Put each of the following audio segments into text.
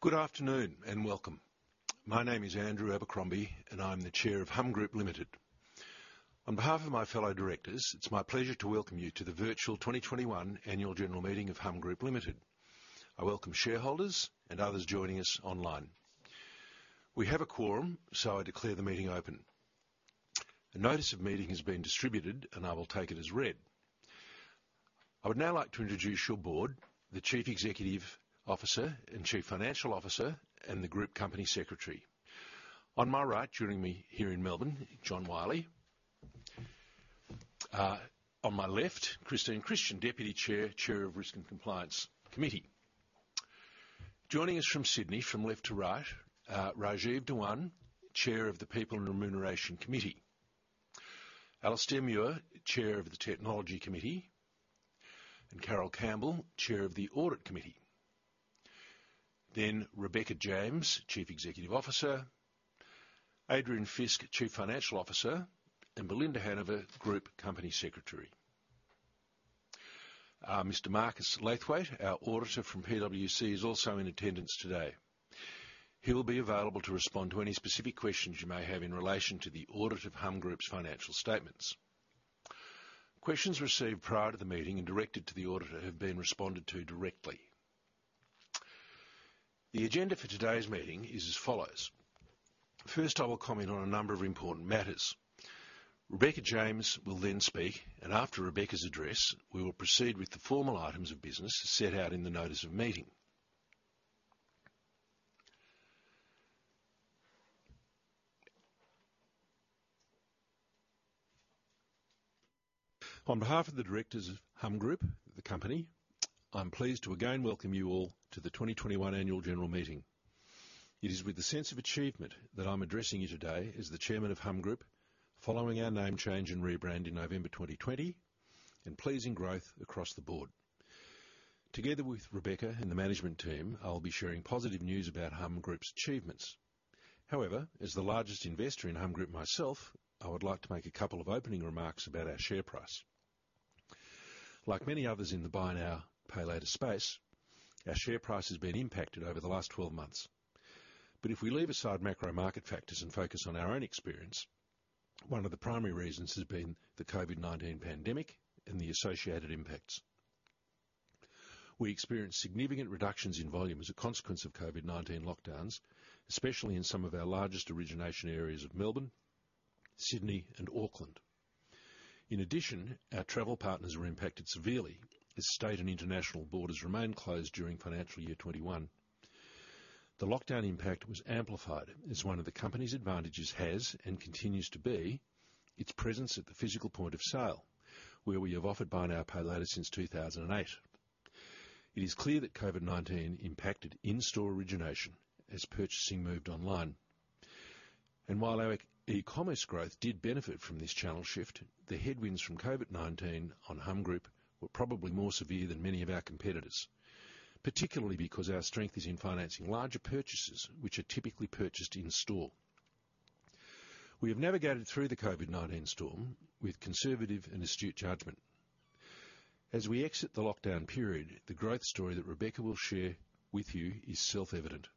Good afternoon and welcome. My name is Andrew Abercrombie, and I'm the Chair of Humm Group Limited. On behalf of my fellow directors, it's my pleasure to welcome you to the virtual 2021 annual general meeting of Humm Group Limited. I welcome shareholders and others joining us online. We have a quorum, so I declare the meeting open. A notice of meeting has been distributed, and I will take it as read. I would now like to introduce your board, the Chief Executive Officer and Chief Financial Officer, and the group company secretary. On my right, joining me here in Melbourne, John Wylie. On my left, Christine Christian, Deputy Chair of Risk and Compliance Committee. Joining us from Sydney, from left to right, Rajeev Dhawan, Chair of the People and Remuneration Committee. Alistair Muir, Chair of the Technology Committee, and Carole Campbell, Chair of the Audit Committee. Rebecca James, Chief Executive Officer. Adrian Fisk, Chief Financial Officer, and Belinda Hannover, Group Company Secretary. Mr. Marcus Laithwaite, our auditor from PwC, is also in attendance today. He will be available to respond to any specific questions you may have in relation to the audit of Humm Group's financial statements. Questions received prior to the meeting and directed to the auditor have been responded to directly. The agenda for today's meeting is as follows. First, I will comment on a number of important matters. Rebecca James will then speak, and after Rebecca's address, we will proceed with the formal items of business as set out in the notice of meeting. On behalf of the directors of Humm Group, the company, I'm pleased to again welcome you all to the 2021 annual general meeting. It is with a sense of achievement that I'm addressing you today as the Chairman of Humm Group following our name change and rebrand in November 2020 and pleasing growth across the board. Together with Rebecca and the management team, I'll be sharing positive news about Humm Group's achievements. However, as the largest investor in Humm Group myself, I would like to make a couple of opening remarks about our share price. Like many others in the buy now, pay later space, our share price has been impacted over the last 12 months. If we leave aside macro market factors and focus on our own experience, one of the primary reasons has been the COVID-19 pandemic and the associated impacts. We experienced significant reductions in volume as a consequence of COVID-19 lockdowns, especially in some of our largest origination areas of Melbourne, Sydney, and Auckland. In addition, our travel partners were impacted severely as state and international borders remained closed during financial year 2021. The lockdown impact was amplified as one of the company's advantages has, and continues to be, its presence at the physical point of sale, where we have offered buy now, pay later since 2008. It is clear that COVID-19 impacted in-store origination as purchasing moved online. While our e-commerce growth did benefit from this channel shift, the headwinds from COVID-19 on Humm Group were probably more severe than many of our competitors, particularly because our strength is in financing larger purchases, which are typically purchased in-store. We have navigated through the COVID-19 storm with conservative and astute judgment. As we exit the lockdown period, the growth story that Rebecca will share with you is self-evident.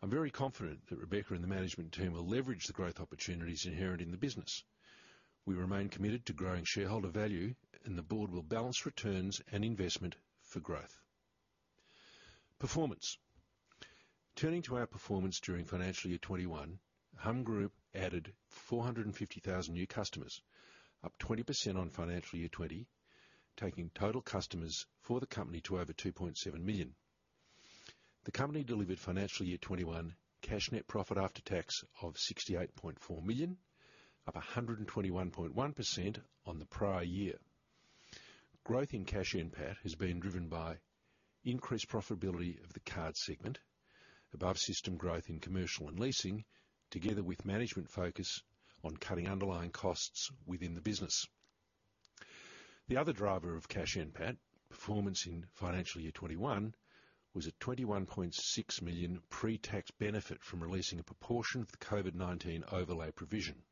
I'm very confident that Rebecca and the management team will leverage the growth opportunities inherent in the business. We remain committed to growing shareholder value, and the board will balance returns and investment for growth. Performance. Turning to our performance during financial year 2021, Humm Group added 450,000 new customers, up 20% on financial year 2020, taking total customers for the company to over 2.7 million. The company delivered financial year 2021 cash NPAT of 68.4 million, up 121.1% on the prior year. Growth in cash NPAT has been driven by increased profitability of the card segment, above-system growth in commercial and leasing, together with management focus on cutting underlying costs within the business. The other driver of cash NPAT performance in financial year 2021 was a 21.6 million pre-tax benefit from releasing a proportion of the COVID-19 overlay provision.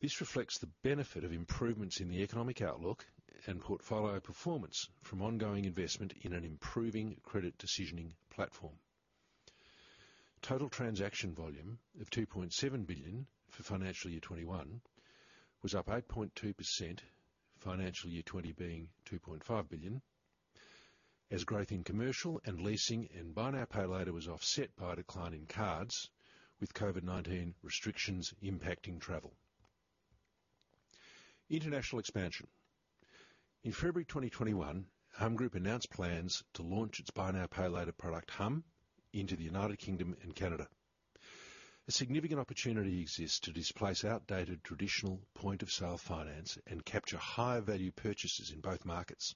This reflects the benefit of improvements in the economic outlook and portfolio performance from ongoing investment in an improving credit decisioning platform. Total transaction volume of 2.7 billion for financial year 2021 was up 8.2%, financial year 2020 being 2.5 billion, as growth in commercial and leasing and buy now, pay later was offset by a decline in cards with COVID-19 restrictions impacting travel. International expansion. In February 2021, Humm Group announced plans to launch its buy now, pay later product, Humm, into the U.K. and Canada. A significant opportunity exists to displace outdated traditional point-of-sale finance and capture higher value purchases in both markets.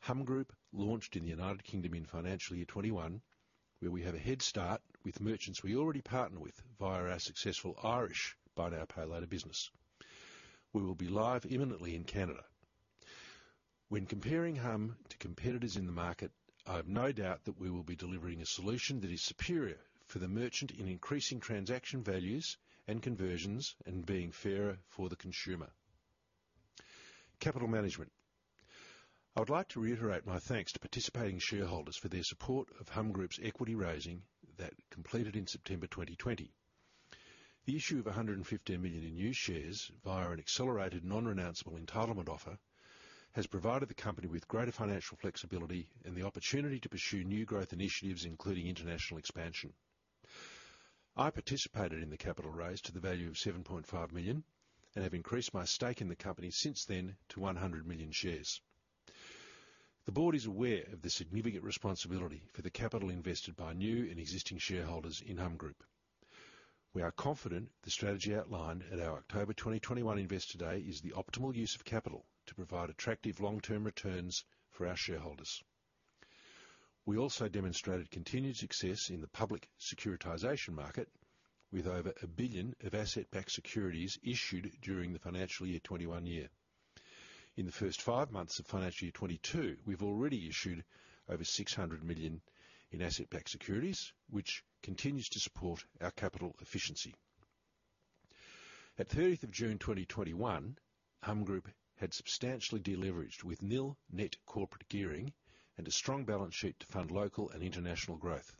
Humm Group launched in the U.K. in financial year 2021, where we have a head start with merchants we already partner with via our successful Irish buy now, pay later business. We will be live imminently in Canada. When comparing Humm to competitors in the market, I have no doubt that we will be delivering a solution that is superior for the merchant in increasing transaction values and conversions and being fairer for the consumer. Capital management. I would like to reiterate my thanks to participating shareholders for their support of Humm Group's equity raising that completed in September 2020. The issue of 115 million in new shares via an accelerated non-renounceable entitlement offer has provided the company with greater financial flexibility and the opportunity to pursue new growth initiatives, including international expansion. I participated in the capital raise to the value of 7.5 million and have increased my stake in the company since then to 100 million shares. The board is aware of the significant responsibility for the capital invested by new and existing shareholders in Humm Group. We are confident the strategy outlined at our October 2021 Investor Day is the optimal use of capital to provide attractive long-term returns for our shareholders. We also demonstrated continued success in the public securitization market with over 1 billion of asset-backed securities issued during the financial year 2021. In the first five months of financial year 2022, we've already issued over 600 million in asset-backed securities, which continues to support our capital efficiency. At June 30th, 2021, Humm Group had substantially deleveraged with nil net corporate gearing and a strong balance sheet to fund local and international growth.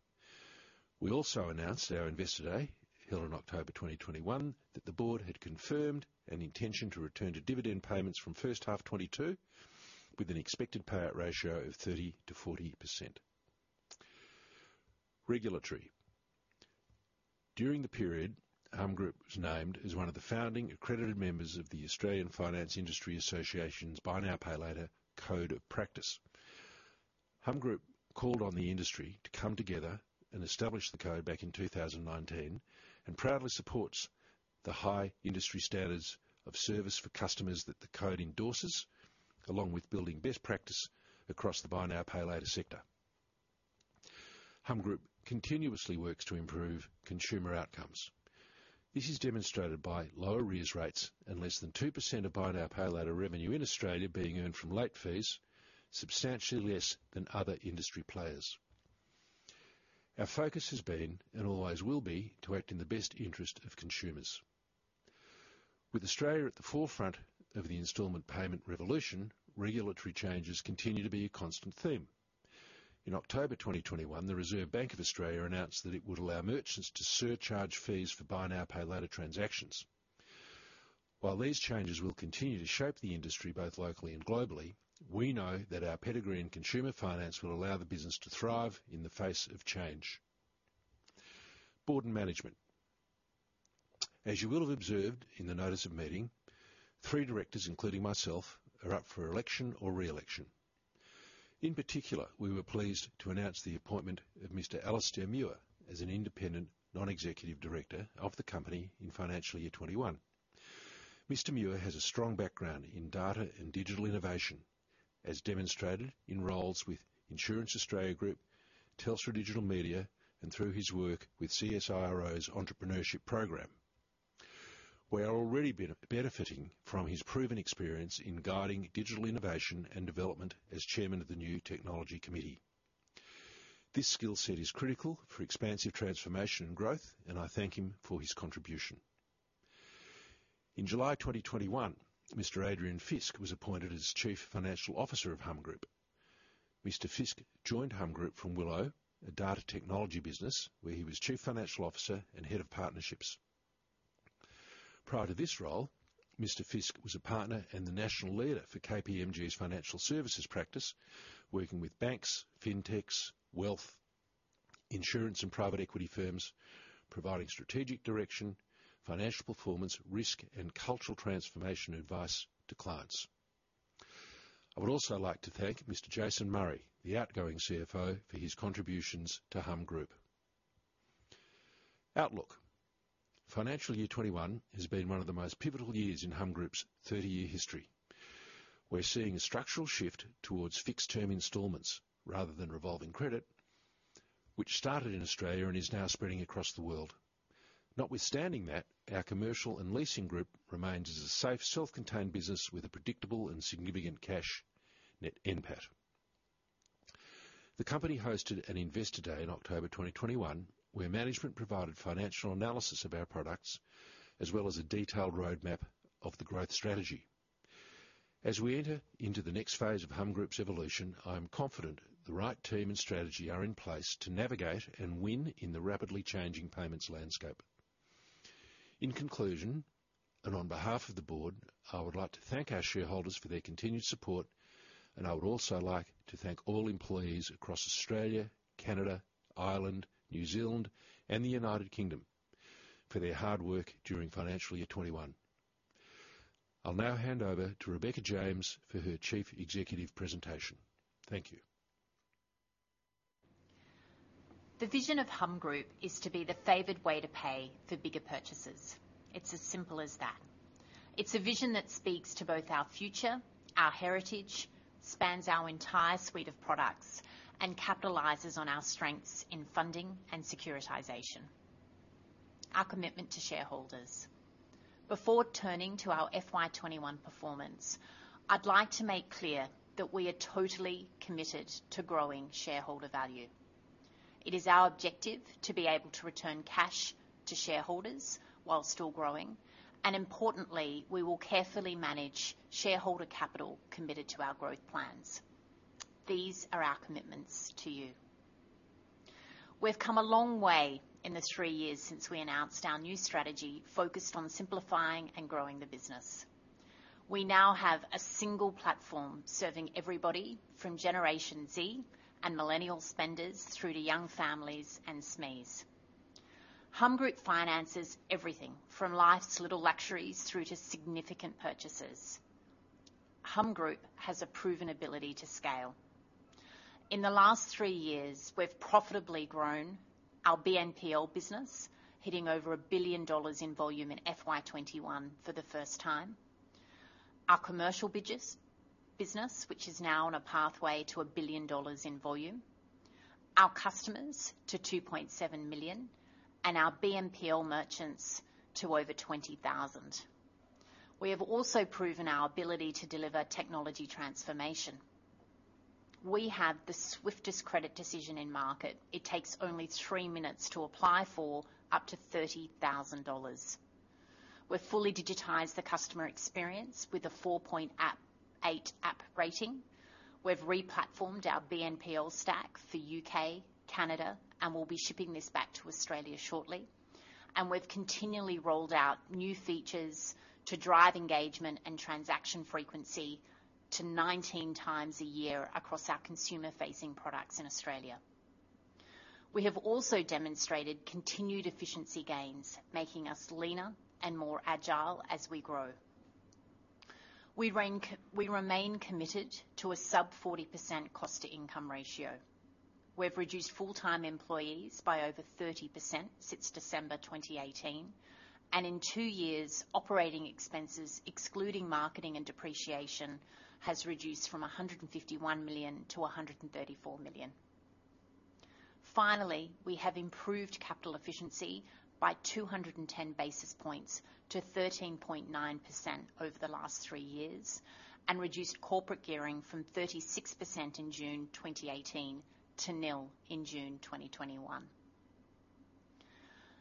We also announced at our Investor Day, held in October 2021, that the board had confirmed an intention to return to dividend payments from first half 2022, with an expected payout ratio of 30%-40%. Regulatory. During the period, Humm Group was named as one of the founding accredited members of the Australian Finance Industry Association's Buy Now Pay Later Code of Practice. Humm Group called on the industry to come together and establish the code back in 2019, and proudly supports the high industry standards of service for customers that the code endorses, along with building best practice across the buy now, pay later sector. Humm Group continuously works to improve consumer outcomes. This is demonstrated by lower arrears rates and less than 2% of buy now, pay later revenue in Australia being earned from late fees, substantially less than other industry players. Our focus has been, and always will be, to act in the best interest of consumers. With Australia at the forefront of the installment payment revolution, regulatory changes continue to be a constant theme. In October 2021, the Reserve Bank of Australia announced that it would allow merchants to surcharge fees for buy now, pay later transactions. While these changes will continue to shape the industry both locally and globally, we know that our pedigree in consumer finance will allow the business to thrive in the face of change. Board and management. As you will have observed in the notice of meeting, three directors, including myself, are up for election or re-election. In particular, we were pleased to announce the appointment of Mr. Alistair Muir as an independent non-executive director of the company in financial year 2021. Mr. Muir has a strong background in data and digital innovation, as demonstrated in roles with Insurance Australia Group, Telstra Digital Media, and through his work with CSIRO's Entrepreneurship Program. We are already benefiting from his proven experience in guiding digital innovation and development as Chairman of the New Technology Committee. This skill set is critical for expansive transformation and growth, and I thank him for his contribution. In July 2021, Mr. Adrian Fisk was appointed as Chief Financial Officer of Humm Group. Mr. Fisk joined Humm Group from Willow, a data technology business, where he was Chief Financial Officer and Head of Partnerships. Prior to this role, Mr. Fisk was a partner and the national leader for KPMG's Financial Services Practice, working with banks, fintechs, wealth, insurance, and private equity firms, providing strategic direction, financial performance, risk, and cultural transformation advice to clients. I would also like to thank Mr. Jason Murray, the outgoing CFO, for his contributions to Humm Group. Outlook. Financial year 2021 has been one of the most pivotal years in Humm Group's 30-year history. We're seeing a structural shift towards fixed-term installments rather than revolving credit, which started in Australia and is now spreading across the world. Notwithstanding that, our commercial and leasing group remains as a safe, self-contained business with a predictable and significant Cash NPAT. The company hosted an Investor Day in October 2021, where management provided financial analysis of our products, as well as a detailed roadmap of the growth strategy. As we enter into the next phase of Humm Group's evolution, I am confident the right team and strategy are in place to navigate and win in the rapidly changing payments landscape. In conclusion, on behalf of the board, I would like to thank our shareholders for their continued support. I would also like to thank all employees across Australia, Canada, Ireland, New Zealand, and the U.K. for their hard work during financial year 2021. I'll now hand over to Rebecca James for her Chief Executive presentation. Thank you. The vision of Humm Group is to be the favored way to pay for bigger purchases. It's as simple as that. It's a vision that speaks to both our future, our heritage, spans our entire suite of products, and capitalizes on our strengths in funding and securitization. Our commitment to shareholders. Before turning to our FY 2021 performance, I'd like to make clear that we are totally committed to growing shareholder value. It is our objective to be able to return cash to shareholders while still growing. Importantly, we will carefully manage shareholder capital committed to our growth plans. These are our commitments to you. We've come a long way in the three years since we announced our new strategy focused on simplifying and growing the business. We now have a single platform serving everybody from Generation Z and Millennial spenders through to young families and SMEs. Humm Group finances everything from life's little luxuries through to significant purchases. Humm Group has a proven ability to scale. In the last three years, we've profitably grown our BNPL business, hitting over 1 billion dollars in volume in FY 2021 for the first time, our commercial business, which is now on a pathway to 1 billion dollars in volume, our customers to 2.7 million, and our BNPL merchants to over 20,000. We have also proven our ability to deliver technology transformation. We have the swiftest credit decision in market. It takes only three minutes to apply for up to 30,000 dollars. We've fully digitized the customer experience with a 4.8 app rating. We've re-platformed our BNPL stack for U.K., Canada, and we'll be shipping this back to Australia shortly. We've continually rolled out new features to drive engagement and transaction frequency to 19x a year across our consumer-facing products in Australia. We have also demonstrated continued efficiency gains, making us leaner and more agile as we grow. We remain committed to a sub 40% cost to income ratio. We've reduced full-time employees by over 30% since December 2018. In two years, operating expenses, excluding marketing and depreciation, has reduced from 151 million-134 million. Finally, we have improved capital efficiency by 210 basis points to 13.9% over the last three years, and reduced corporate gearing from 36% in June 2018 to nil in June 2021.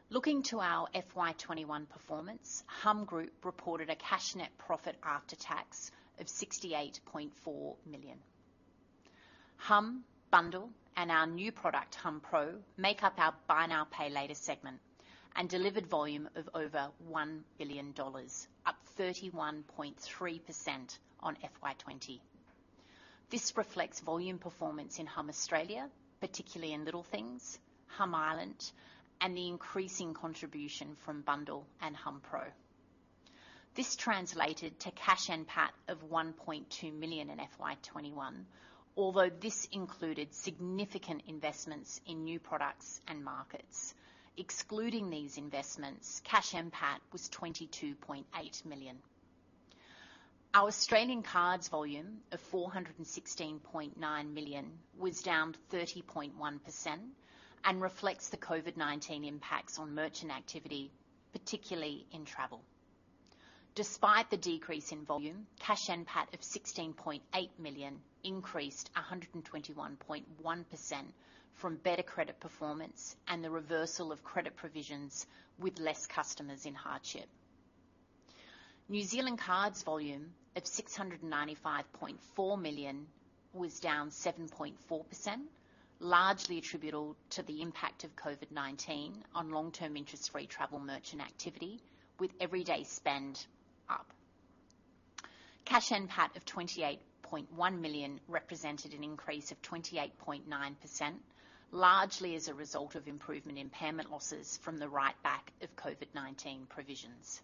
Looking to our FY 2021 performance, Humm Group reported a cash net profit after tax of 68.4 million. Humm bundll, and our new product, hummpro, make up our buy now, pay later segment and delivered volume of over 1 billion dollars, up 31.3% on FY 2020. This reflects volume performance in Humm Australia, particularly in humm Little Things, Humm Ireland, and the increasing contribution from bundll and hummpro. This translated to Cash NPAT of 1.2 million in FY 2021, although this included significant investments in new products and markets. Excluding these investments, Cash NPAT was 22.8 million. Our Australian cards volume of 416.9 million was down 30.1% and reflects the COVID-19 impacts on merchant activity, particularly in travel. Despite the decrease in volume, Cash NPAT of 16.8 million increased 121.1% from better credit performance and the reversal of credit provisions with less customers in hardship. New Zealand cards volume of 695.4 million was down 7.4%, largely attributable to the impact of COVID-19 on long-term interest-free travel merchant activity with everyday spend up. Cash NPAT of 28.1 million represented an increase of 28.9%, largely as a result of improvement in impairment losses from the writeback of COVID-19 provisions.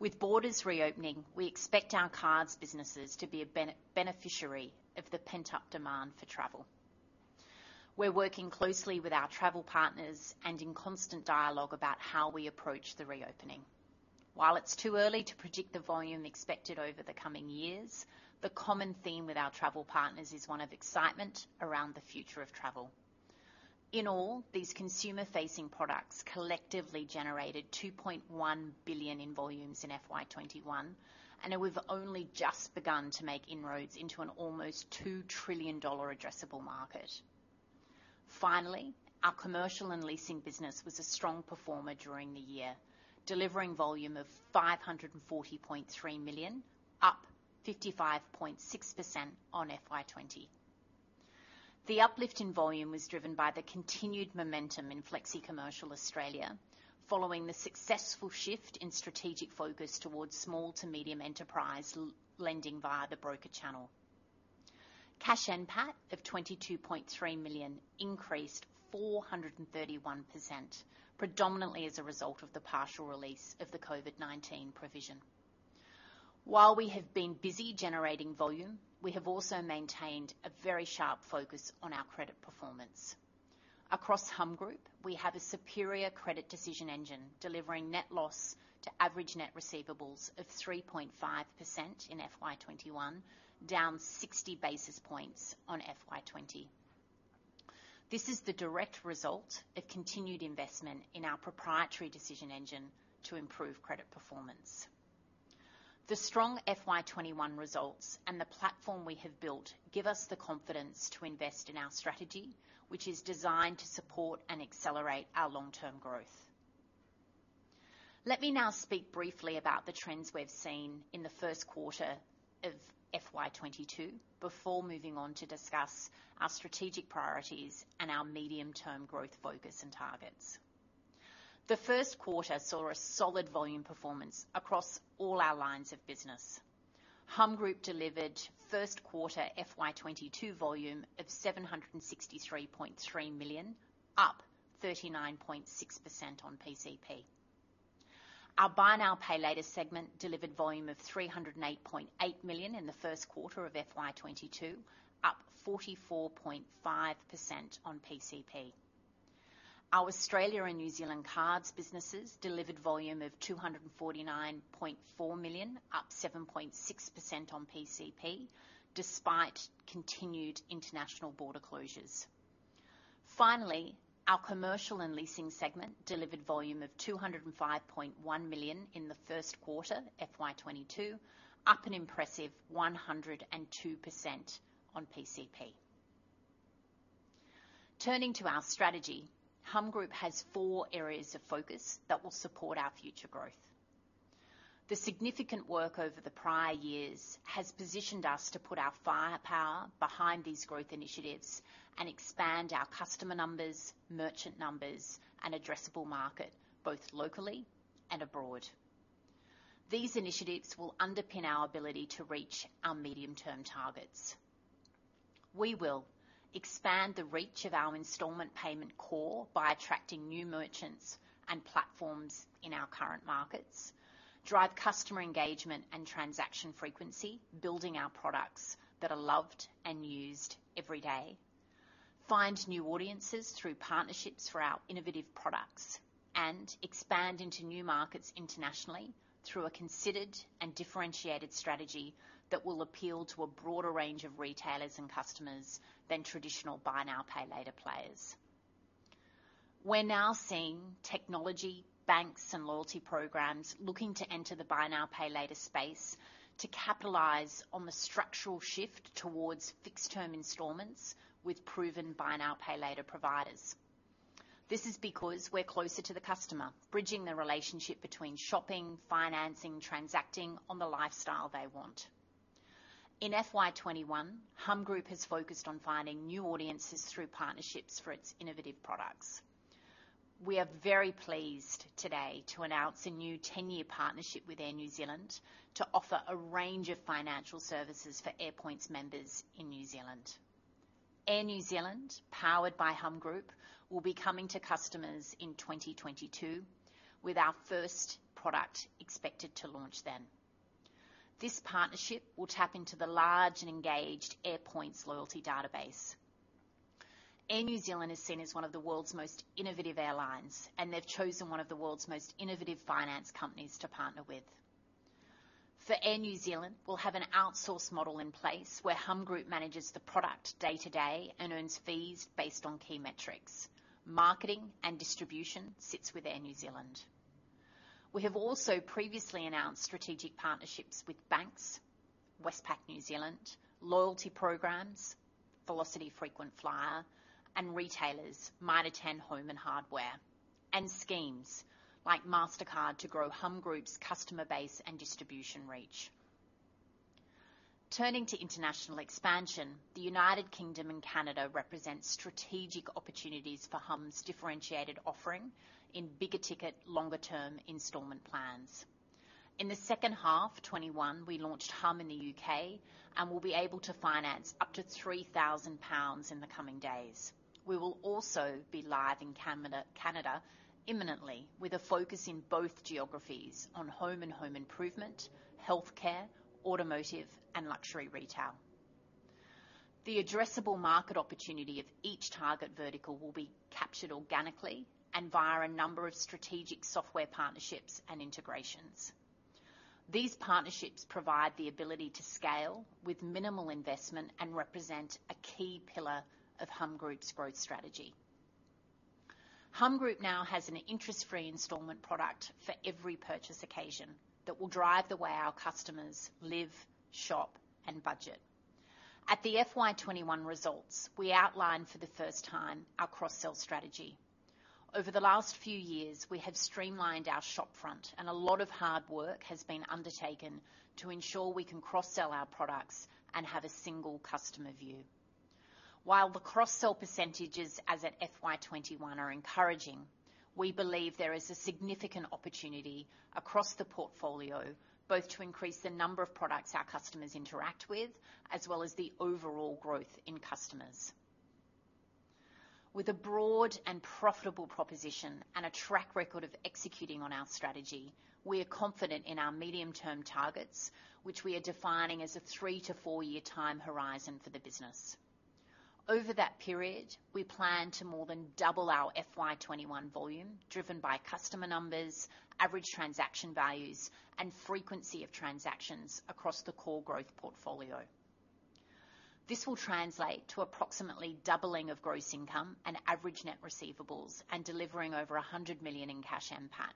With borders reopening, we expect our cards businesses to be a beneficiary of the pent-up demand for travel. We're working closely with our travel partners and in constant dialogue about how we approach the reopening. While it's too early to predict the volume expected over the coming years, the common theme with our travel partners is one of excitement around the future of travel. In all, these consumer-facing products collectively generated 2.1 billion in volumes in FY 2021, and we've only just begun to make inroads into an almost 2 trillion dollar addressable market. Finally, our commercial and leasing business was a strong performer during the year, delivering volume of 540.3 million, up 55.6% on FY 2020. The uplift in volume was driven by the continued momentum in flexicommercial Australia, following the successful shift in strategic focus towards small to medium enterprise lending via the broker channel. Cash NPAT of 22.3 million increased 431%, predominantly as a result of the partial release of the COVID-19 provision. While we have been busy generating volume, we have also maintained a very sharp focus on our credit performance. Across Humm Group, we have a superior credit decision engine delivering net loss to average net receivables of 3.5% in FY 2021, down 60 basis points on FY 2020. This is the direct result of continued investment in our proprietary decision engine to improve credit performance. The strong FY 2021 results and the platform we have built give us the confidence to invest in our strategy, which is designed to support and accelerate our long-term growth. Let me now speak briefly about the trends we have seen in the first quarter of FY 2022 before moving on to discuss our strategic priorities and our medium-term growth focus and targets. The first quarter saw a solid volume performance across all our lines of business. Humm Group delivered first quarter FY 2022 volume of 763.3 million, up 39.6% on PCP. Our buy now, pay later segment delivered volume of 308.8 million in the first quarter of FY 2022, up 44.5% on PCP. Our Australia and New Zealand cards businesses delivered volume of 249.4 million, up 7.6% on PCP, despite continued international border closures. Finally, our commercial and leasing segment delivered volume of 205.1 million in the first quarter FY 2022, up an impressive 102% on PCP. Turning to our strategy, Humm Group has four areas of focus that will support our future growth. The significant work over the prior years has positioned us to put our firepower behind these growth initiatives and expand our customer numbers, merchant numbers, and addressable market, both locally and abroad. These initiatives will underpin our ability to reach our medium-term targets. We will expand the reach of our installment payment core by attracting new merchants and platforms in our current markets. Drive customer engagement and transaction frequency, building our products that are loved and used every day. Find new audiences through partnerships for our innovative products, and expand into new markets internationally through a considered and differentiated strategy that will appeal to a broader range of retailers and customers than traditional buy now, pay later players. We're now seeing technology, banks, and loyalty programs looking to enter the buy now, pay later space to capitalize on the structural shift towards fixed term installments with proven buy now, pay later providers. This is because we're closer to the customer, bridging the relationship between shopping, financing, transacting on the lifestyle they want. In FY 2021, Humm Group has focused on finding new audiences through partnerships for its innovative products. We are very pleased today to announce a new 10-year partnership with Air New Zealand to offer a range of financial services for Airpoints members in New Zealand. Air New Zealand, powered by Humm Group, will be coming to customers in 2022, with our first product expected to launch then. This partnership will tap into the large and engaged Airpoints loyalty database. Air New Zealand is seen as one of the world's most innovative airlines, and they've chosen one of the world's most innovative finance companies to partner with. For Air New Zealand, we'll have an outsourced model in place where Humm Group manages the product day-to-day and earns fees based on key metrics. Marketing and distribution sits with Air New Zealand. We have also previously announced strategic partnerships with banks, Westpac New Zealand, loyalty programs, Velocity Frequent Flyer, and retailers, Mitre 10 Home and Hardware, and schemes like Mastercard to grow Humm Group's customer base and distribution reach. Turning to international expansion, the U.K. and Canada represent strategic opportunities for Humm's differentiated offering in bigger ticket, longer-term installment plans. In the second half 2021, we launched Humm in the U.K. and will be able to finance up to 3,000 pounds in the coming days. We will also be live in Canada imminently with a focus in both geographies on home and home improvement, healthcare, automotive, and luxury retail. The addressable market opportunity of each target vertical will be captured organically and via a number of strategic software partnerships and integrations. These partnerships provide the ability to scale with minimal investment and represent a key pillar of Humm Group's growth strategy. Humm Group now has an interest-free installment product for every purchase occasion that will drive the way our customers live, shop, and budget. At the FY 2021 results, we outlined for the first time our cross-sell strategy. Over the last few years, we have streamlined our shop front and a lot of hard work has been undertaken to ensure we can cross-sell our products and have a single customer view. While the cross-sell percentages as at FY 2021 are encouraging, we believe there is a significant opportunity across the portfolio, both to increase the number of products our customers interact with, as well as the overall growth in customers. With a broad and profitable proposition and a track record of executing on our strategy, we are confident in our medium-term targets, which we are defining as a three-four year time horizon for the business. Over that period, we plan to more than double our FY 2021 volume driven by customer numbers, average transaction values, and frequency of transactions across the core growth portfolio. This will translate to approximately doubling of gross income and average net receivables and delivering over 100 million in cash NPAT.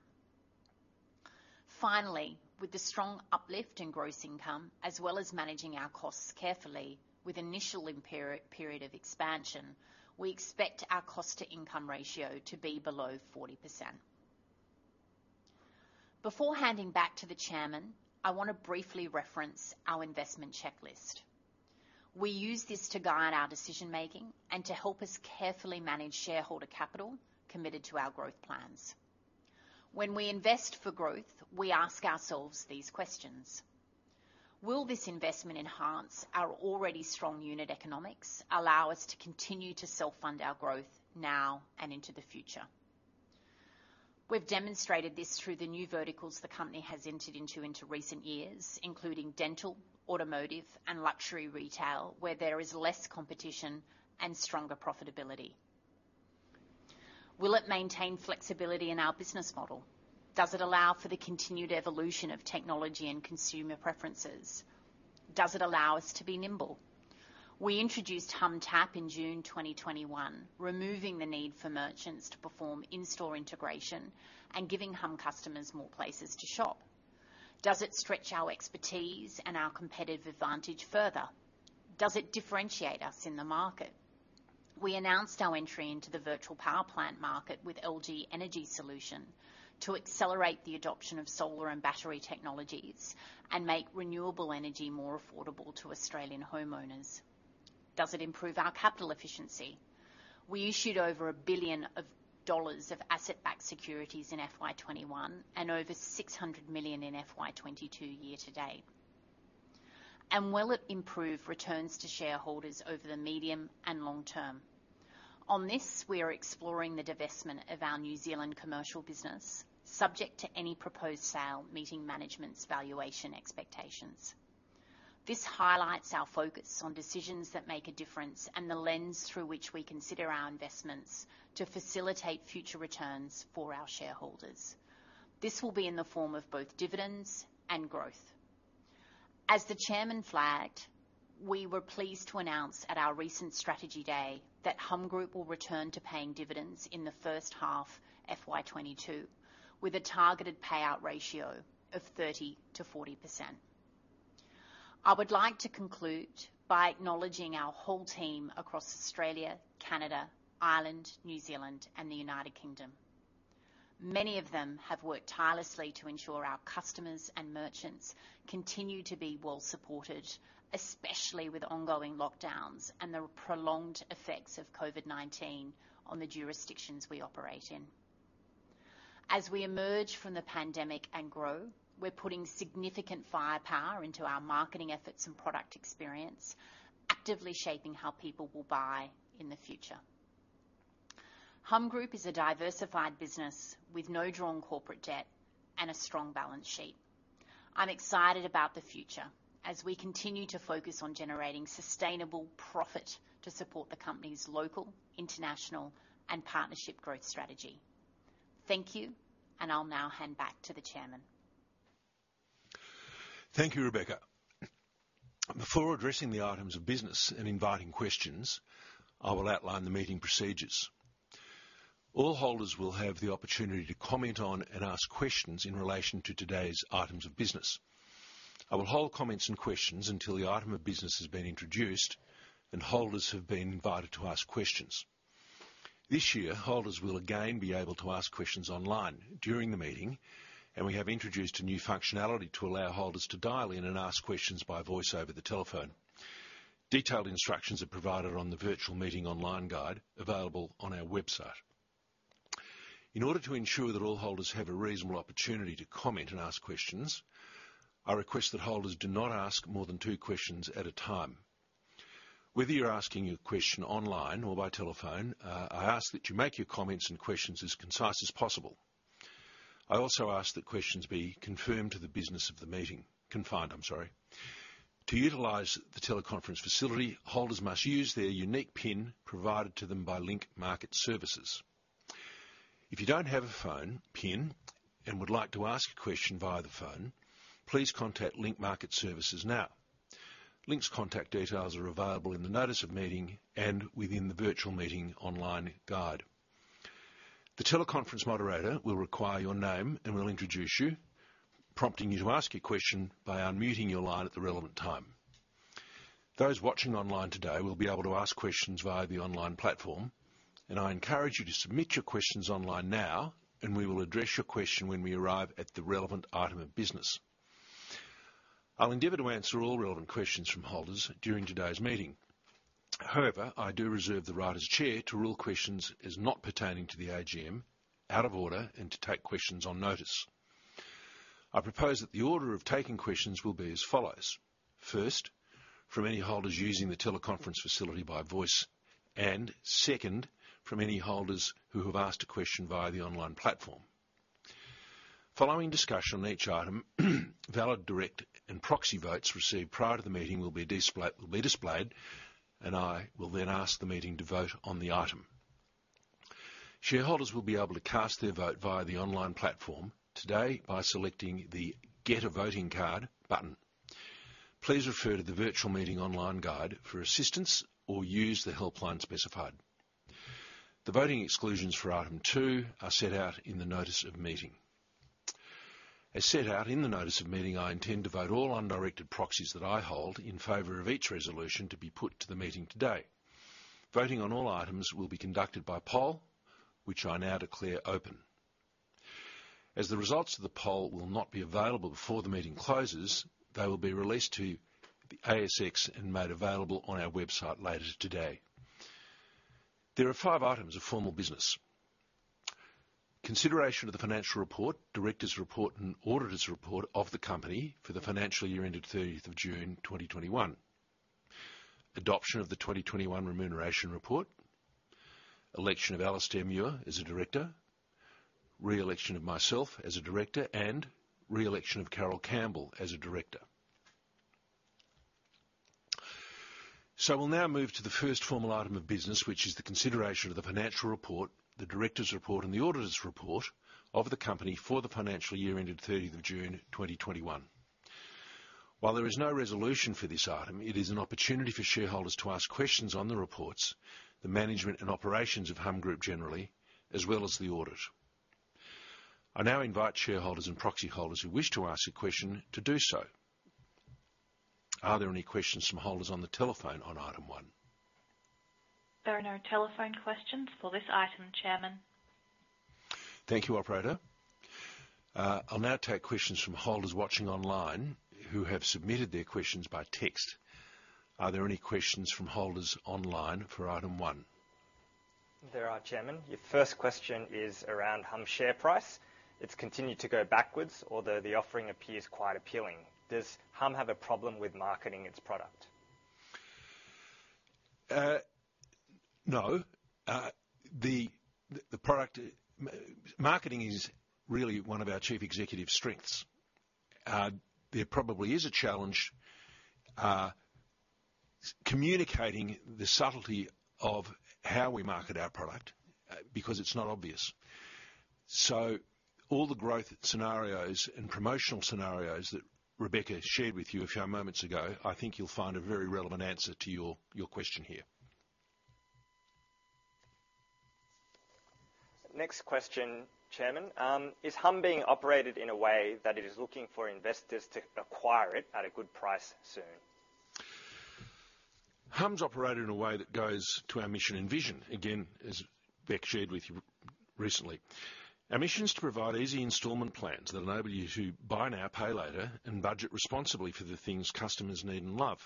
Finally, with the strong uplift in gross income as well as managing our costs carefully with initial interim period of expansion, we expect our cost to income ratio to be below 40%. Before handing back to the Chairman, I wanna briefly reference our investment checklist. We use this to guide our decision-making and to help us carefully manage shareholder capital committed to our growth plans. When we invest for growth, we ask ourselves these questions. Will this investment enhance our already strong unit economics allow us to continue to self-fund our growth now and into the future? We've demonstrated this through the new verticals the company has entered into recent years, including dental, automotive, and luxury retail, where there is less competition and stronger profitability. Will it maintain flexibility in our business model? Does it allow for the continued evolution of technology and consumer preferences? Does it allow us to be nimble? We introduced Humm Tap in June 2021, removing the need for merchants to perform in-store integration and giving Humm customers more places to shop. Does it stretch our expertise and our competitive advantage further? Does it differentiate us in the market? We announced our entry into the virtual power plant market with LG Energy Solution to accelerate the adoption of solar and battery technologies and make renewable energy more affordable to Australian homeowners. Does it improve our capital efficiency? We issued over 1 billion dollars of asset-backed securities in FY 2021 and over 600 million in FY 2022 year to date. Will it improve returns to shareholders over the medium and long term? On this, we are exploring the divestment of our New Zealand commercial business, subject to any proposed sale meeting management's valuation expectations. This highlights our focus on decisions that make a difference and the lens through which we consider our investments to facilitate future returns for our shareholders. This will be in the form of both dividends and growth. As the Chairman flagged, we were pleased to announce at our recent strategy day that Humm Group will return to paying dividends in the first half FY 2022, with a targeted payout ratio of 30%-40%. I would like to conclude by acknowledging our whole team across Australia, Canada, Ireland, New Zealand, and the U.K. Many of them have worked tirelessly to ensure our customers and merchants continue to be well supported, especially with ongoing lockdowns and the prolonged effects of COVID-19 on the jurisdictions we operate in. As we emerge from the pandemic and grow, we're putting significant firepower into our marketing efforts and product experience, actively shaping how people will buy in the future. Humm Group is a diversified business with no drawn corporate debt and a strong balance sheet. I'm excited about the future as we continue to focus on generating sustainable profit to support the company's local, international, and partnership growth strategy. Thank you, and I'll now hand back to the Chairman. Thank you, Rebecca. Before addressing the items of business and inviting questions, I will outline the meeting procedures. All holders will have the opportunity to comment on and ask questions in relation to today's items of business. I will hold comments and questions until the item of business has been introduced and holders have been invited to ask questions. This year, holders will again be able to ask questions online during the meeting, and we have introduced a new functionality to allow holders to dial in and ask questions by voice over the telephone. Detailed instructions are provided on the virtual meeting online guide available on our website. In order to ensure that all holders have a reasonable opportunity to comment and ask questions, I request that holders do not ask more than two questions at a time. Whether you're asking your question online or by telephone, I ask that you make your comments and questions as concise as possible. I also ask that questions be confined to the business of the meeting. To utilize the teleconference facility, holders must use their unique PIN provided to them by Link Market Services. If you don't have a phone PIN and would like to ask a question via the phone, please contact Link Market Services now. Link's contact details are available in the notice of meeting and within the virtual meeting online guide. The teleconference moderator will require your name and will introduce you, prompting you to ask your question by unmuting your line at the relevant time. Those watching online today will be able to ask questions via the online platform, and I encourage you to submit your questions online now, and we will address your question when we arrive at the relevant item of business. I'll endeavor to answer all relevant questions from holders during today's meeting. However, I do reserve the right as chair to rule questions as not pertaining to the AGM out of order and to take questions on notice. I propose that the order of taking questions will be as follows. First, from any holders using the teleconference facility by voice, and second, from any holders who have asked a question via the online platform. Following discussion on each item, valid direct and proxy votes received prior to the meeting will be displayed, and I will then ask the meeting to vote on the item. Shareholders will be able to cast their vote via the online platform today by selecting the Get a Voting Card button. Please refer to the virtual meeting online guide for assistance or use the helpline specified. The voting exclusions for item two are set out in the notice of meeting. As set out in the notice of meeting, I intend to vote all undirected proxies that I hold in favor of each resolution to be put to the meeting today. Voting on all items will be conducted by poll, which I now declare open. As the results of the poll will not be available before the meeting closes, they will be released to the ASX and made available on our website later today. There are five items of formal business. Consideration of the financial report, directors' report, and auditor's report of the company for the financial year ended June 30th, 2021. Adoption of the 2021 remuneration report. Election of Alistair Muir as a director, re-election of myself as a director, and re-election of Carole Campbell as a director. We'll now move to the first formal item of business, which is the consideration of the financial report, the director's report, and the auditor's report of the company for the financial year ended June 30th, 2021. While there is no resolution for this item, it is an opportunity for shareholders to ask questions on the reports, the management and operations of Humm Group generally, as well as the audit. I now invite shareholders and proxy holders who wish to ask a question to do so. Are there any questions from holders on the telephone on item one? There are no telephone questions for this item, Chairman. Thank you, operator. I'll now take questions from holders watching online who have submitted their questions by text. Are there any questions from holders online for item one? Thank you, Chairman. Your first question is around Humm share price. It's continued to go backwards, although the offering appears quite appealing. Does Humm have a problem with marketing its product? No. The product marketing is really one of our chief executive strengths. There probably is a challenge communicating the subtlety of how we market our product because it's not obvious. All the growth scenarios and promotional scenarios that Rebecca shared with you a few moments ago, I think you'll find a very relevant answer to your question here. Next question, Chairman. Is Humm being operated in a way that it is looking for investors to acquire it at a good price soon? Humm's operated in a way that goes to our mission and vision, again, as Bec shared with you recently. Our mission is to provide easy installment plans that enable you to buy now, pay later and budget responsibly for the things customers need and love.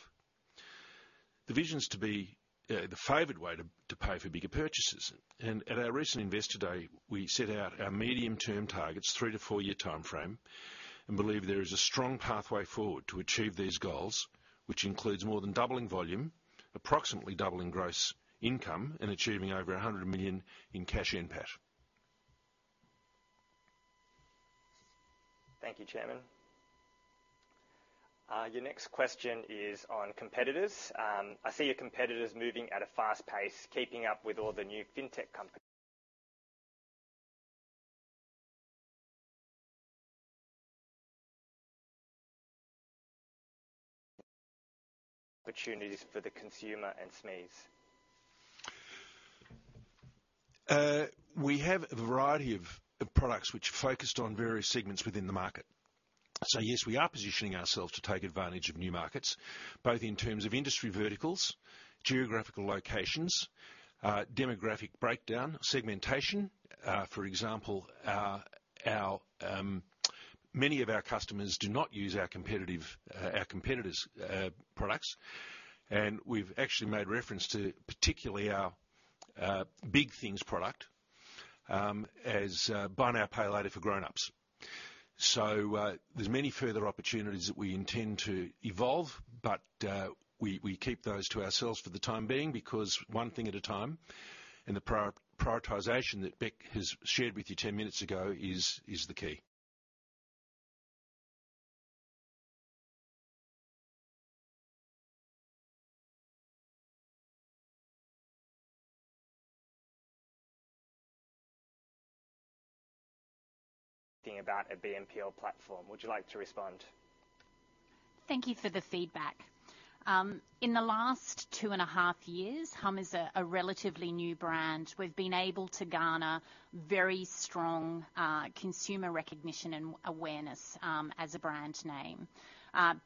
The vision is to be the favored way to pay for bigger purchases. At our recent Investor Day, we set out our medium-term targets, three-four-year timeframe, and believe there is a strong pathway forward to achieve these goals, which includes more than doubling volume, approximately doubling gross income, and achieving over 100 million in cash NPAT. Thank you, Chairman. Your next question is on competitors. I see your competitors moving at a fast pace, keeping up with all the new fintech opportunities for the consumer and SMEs. We have a variety of products which are focused on various segments within the market. Yes, we are positioning ourselves to take advantage of new markets, both in terms of industry verticals, geographical locations, demographic breakdown, segmentation. For example, many of our customers do not use our competitors' products. We've actually made reference to particularly our Big Things product as buy now, pay later for grownups. There's many further opportunities that we intend to evolve, but we keep those to ourselves for the time being because one thing at a time and the prioritization that Bec has shared with you ten minutes ago is the key. Thinking about a BNPL platform. Would you like to respond? Thank you for the feedback. In the last two in a half years, Humm is a relatively new brand. We've been able to garner very strong consumer recognition and awareness as a brand name.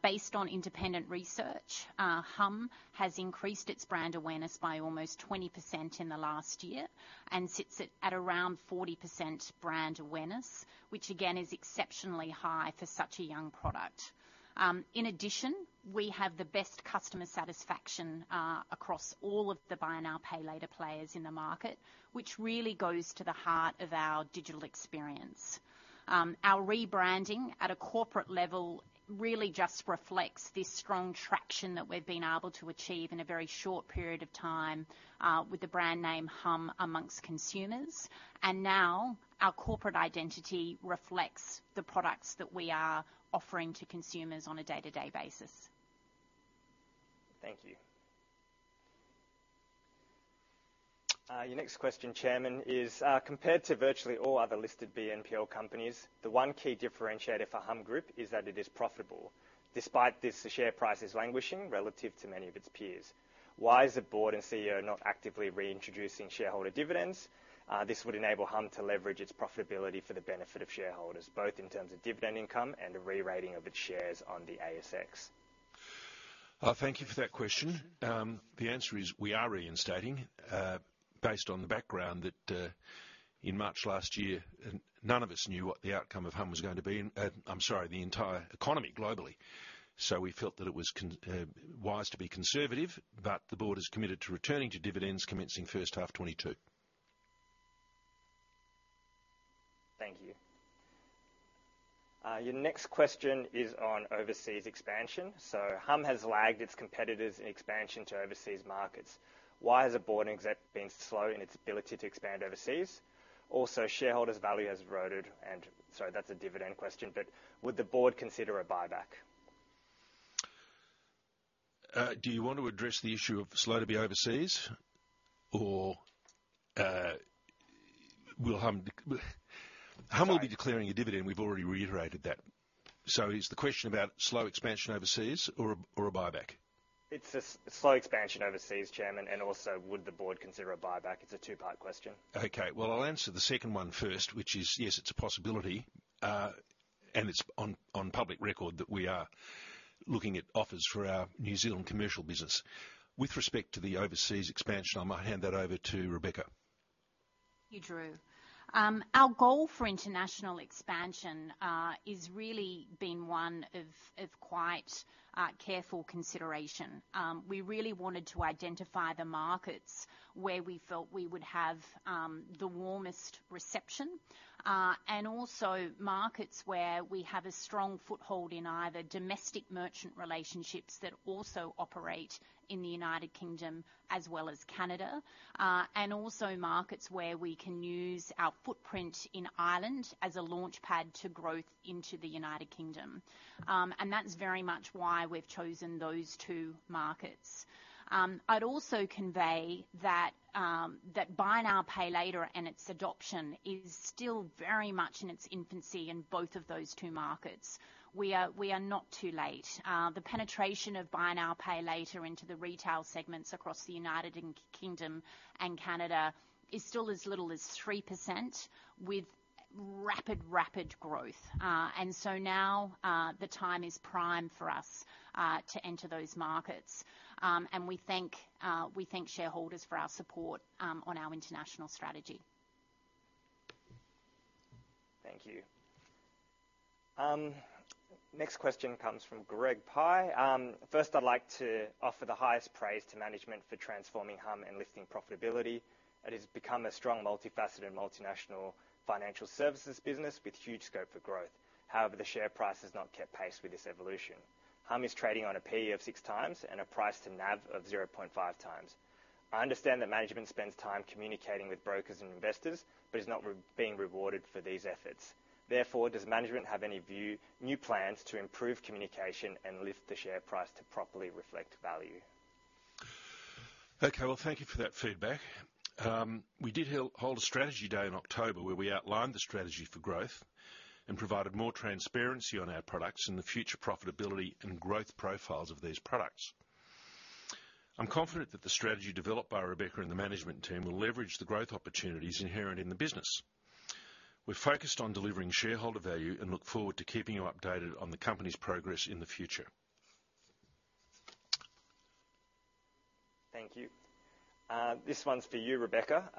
Based on independent research, Humm has increased its brand awareness by almost 20% in the last year and sits at around 40% brand awareness, which again is exceptionally high for such a young product. In addition, we have the best customer satisfaction across all of the buy now, pay later players in the market, which really goes to the heart of our digital experience. Our rebranding at a corporate level really just reflects this strong traction that we've been able to achieve in a very short period of time with the brand name Humm amongst consumers. Now our corporate identity reflects the products that we are offering to consumers on a day-to-day basis. Thank you. Your next question, Chairman, is, compared to virtually all other listed BNPL companies, the one key differentiator for Humm Group is that it is profitable. Despite this, the share price is languishing relative to many of its peers. Why is the board and CEO not actively reintroducing shareholder dividends? This would enable Humm to leverage its profitability for the benefit of shareholders, both in terms of dividend income and the re-rating of its shares on the ASX. Thank you for that question. The answer is, we are reinstating, based on the background that, in March last year, none of us knew what the outcome of Humm was going to be, and, I'm sorry, the entire economy globally. We felt that it was wise to be conservative, but the board is committed to returning to dividends commencing first half 2022. Thank you. Your next question is on overseas expansion. Humm has lagged its competitors in expansion to overseas markets. Why is the board and exec being slow in its ability to expand overseas? Also, shareholders' value has eroded, and sorry, that's a dividend question, but would the board consider a buyback? Do you want to address the issue of slow to be overseas or will Humm? Sorry. Humm will be declaring a dividend. We've already reiterated that. Is the question about slow expansion overseas or a buyback? It's a slow expansion overseas, Chairman, and also would the board consider a buyback? It's a two-part question. Well, I'll answer the second one first, which is, yes, it's a possibility, and it's on public record that we are looking at offers for our New Zealand commercial business. With respect to the overseas expansion, I'm gonna hand that over to Rebecca. Thank you, Drew. Our goal for international expansion is really been one of quite careful consideration. We really wanted to identify the markets where we felt we would have the warmest reception, and also markets where we have a strong foothold in either domestic merchant relationships that also operate in the United Kingdom as well as Canada. And also markets where we can use our footprint in Ireland as a launchpad to growth into the United Kingdom. And that's very much why we've chosen those two markets. I'd also convey that that buy now, pay later and its adoption is still very much in its infancy in both of those two markets. We are not too late. The penetration of buy now, pay later into the retail segments across the U.K. and Canada is still as little as 3% with rapid growth. Now, the time is prime for us to enter those markets. We thank shareholders for our support on our international strategy. Thank you. Next question comes from Greg Pye. First I'd like to offer the highest praise to management for transforming Humm and lifting profitability. It has become a strong, multifaceted, multinational financial services business with huge scope for growth. However, the share price has not kept pace with this evolution. Humm is trading on a P/E of 6x and a price to NAV of 0.5x. I understand that management spends time communicating with brokers and investors, but is not being rewarded for these efforts. Therefore, does management have any new plans to improve communication and lift the share price to properly reflect value? Okay, well, thank you for that feedback. We held a strategy day in October where we outlined the strategy for growth and provided more transparency on our products and the future profitability and growth profiles of these products. I'm confident that the strategy developed by Rebecca and the management team will leverage the growth opportunities inherent in the business. We're focused on delivering shareholder value and look forward to keeping you updated on the company's progress in the future. Thank you. This one's for you, Rebecca.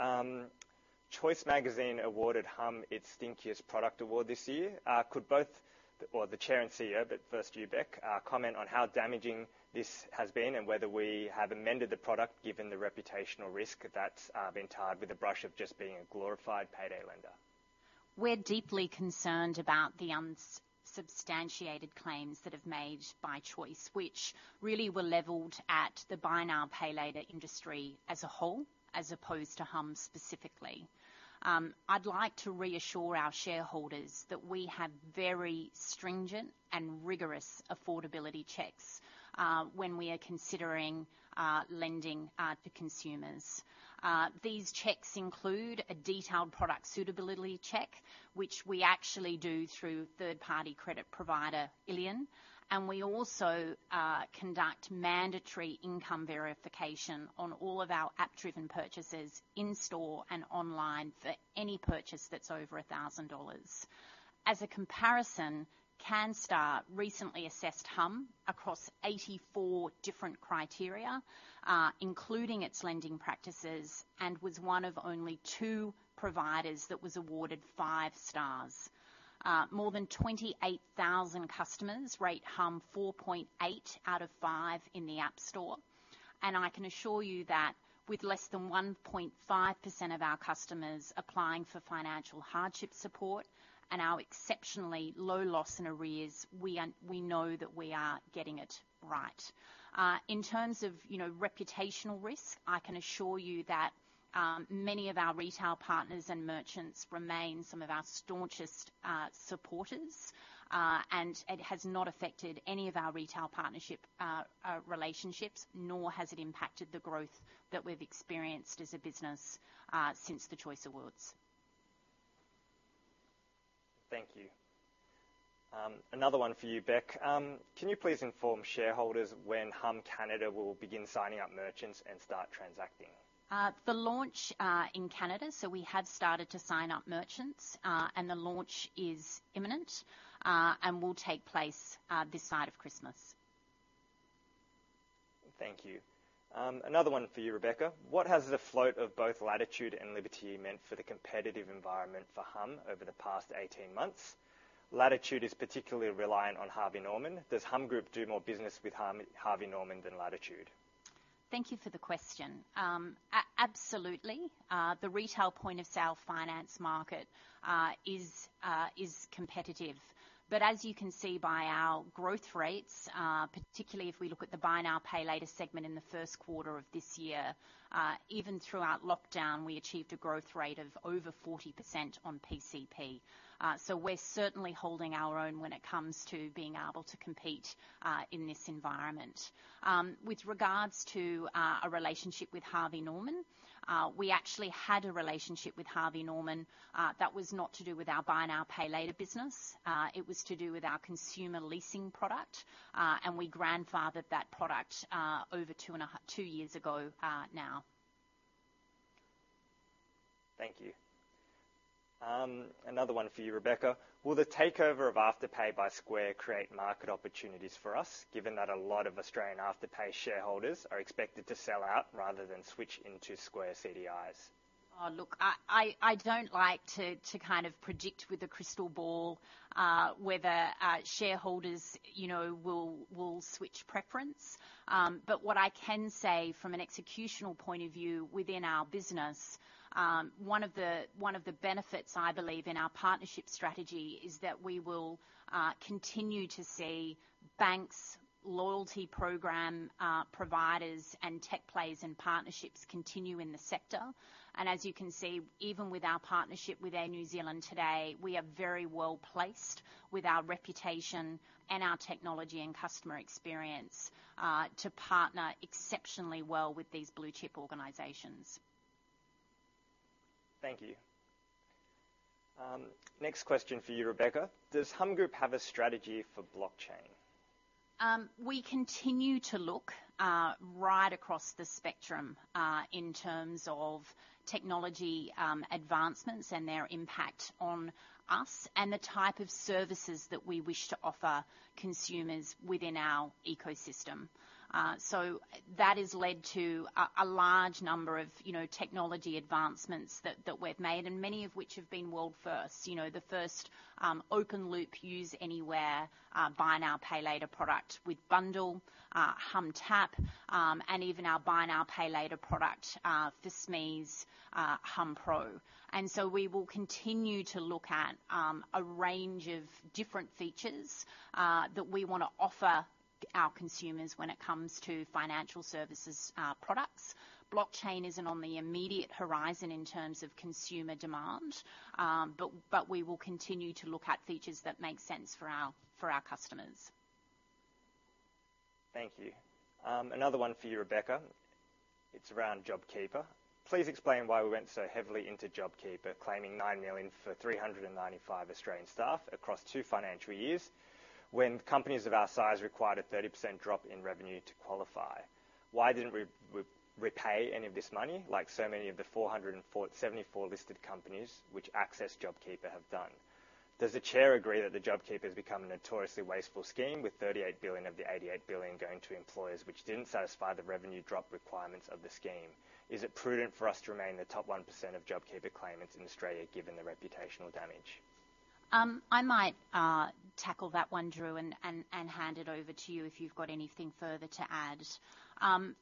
Choice magazine awarded Humm its stinkiest product award this year. Could both, or the Chair and CEO, but first you, Bec, comment on how damaging this has been and whether we have amended the product given the reputational risk that's been tied with the brush of just being a glorified payday lender. We're deeply concerned about the unsubstantiated claims that have been made by Choice, which really were leveled at the buy now, pay later industry as a whole, as opposed to Humm specifically. I'd like to reassure our shareholders that we have very stringent and rigorous affordability checks when we are considering lending to consumers. These checks include a detailed product suitability check, which we actually do through third-party credit provider Illion, and we also conduct mandatory income verification on all of our app-driven purchases in store and online for any purchase that's over 1,000 dollars. As a comparison, Canstar recently assessed Humm across 84 different criteria, including its lending practices, and was one of only two providers that was awarded five stars. More than 28,000 customers rate Humm 4.8 out of 5 in the App Store. I can assure you that with less than 1.5% of our customers applying for financial hardship support and our exceptionally low loss in arrears, we know that we are getting it right. In terms of, you know, reputational risk, I can assure you that many of our retail partners and merchants remain some of our staunchest supporters. It has not affected any of our retail partnership relationships, nor has it impacted the growth that we've experienced as a business since the Choice award. Thank you. Another one for you, Bec. Can you please inform shareholders when Humm Canada will begin signing up merchants and start transacting? The launch in Canada, so we have started to sign up merchants, and the launch is imminent, and will take place this side of Christmas. Thank you. Another one for you, Rebecca. What has the float of both Latitude and Liberty meant for the competitive environment for Humm over the past 18 months? Latitude is particularly reliant on Harvey Norman. Does Humm Group do more business with Harvey Norman than Latitude? Thank you for the question. Absolutely. The retail point of sale finance market is competitive. As you can see by our growth rates, particularly if we look at the buy now, pay later segment in the first quarter of this year, even throughout lockdown, we achieved a growth rate of over 40% on PCP. We're certainly holding our own when it comes to being able to compete in this environment. With regards to a relationship with Harvey Norman, we actually had a relationship with Harvey Norman that was not to do with our buy now, pay later business. It was to do with our consumer leasing product, and we grandfathered that product over two years ago now. Thank you. Another one for you, Rebecca. Will the takeover of Afterpay by Square create market opportunities for us, given that a lot of Australian Afterpay shareholders are expected to sell out rather than switch into Square CDIs? I don't like to kind of predict with a crystal ball whether shareholders, you know, will switch preference. But what I can say from an executional point of view within our business, one of the benefits I believe in our partnership strategy is that we will continue to see banks' loyalty program providers and tech players and partnerships continue in the sector. As you can see, even with our partnership with Air New Zealand today, we are very well-placed with our reputation and our technology and customer experience to partner exceptionally well with these blue-chip organizations. Thank you. Next question for you, Rebecca. Does Humm Group have a strategy for blockchain? We continue to look right across the spectrum in terms of technology advancements and their impact on us, and the type of services that we wish to offer consumers within our ecosystem. That has led to a large number of, you know, technology advancements that we've made, and many of which have been world first. You know, the first open-loop, use anywhere buy now, pay later product with bundll, humm//TAPP, and even our buy now, pay later product for SMEs, hummpro. We will continue to look at a range of different features that we wanna offer our consumers when it comes to financial services products. Blockchain isn't on the immediate horizon in terms of consumer demand, but we will continue to look at features that make sense for our customers. Thank you. Another one for you, Rebecca. It's around JobKeeper. Please explain why we went so heavily into JobKeeper, claiming 9 million for 395 Australian staff across two financial years when companies of our size required a 30% drop in revenue to qualify. Why didn't we repay any of this money, like so many of the 474 listed companies which accessed JobKeeper have done? Does the chair agree that the JobKeeper's become a notoriously wasteful scheme, with 38 billion of the 88 billion going to employers which didn't satisfy the revenue drop requirements of the scheme? Is it prudent for us to remain in the top 1% of JobKeeper claimants in Australia, given the reputational damage? I might tackle that one, Drew, and hand it over to you if you've got anything further to add.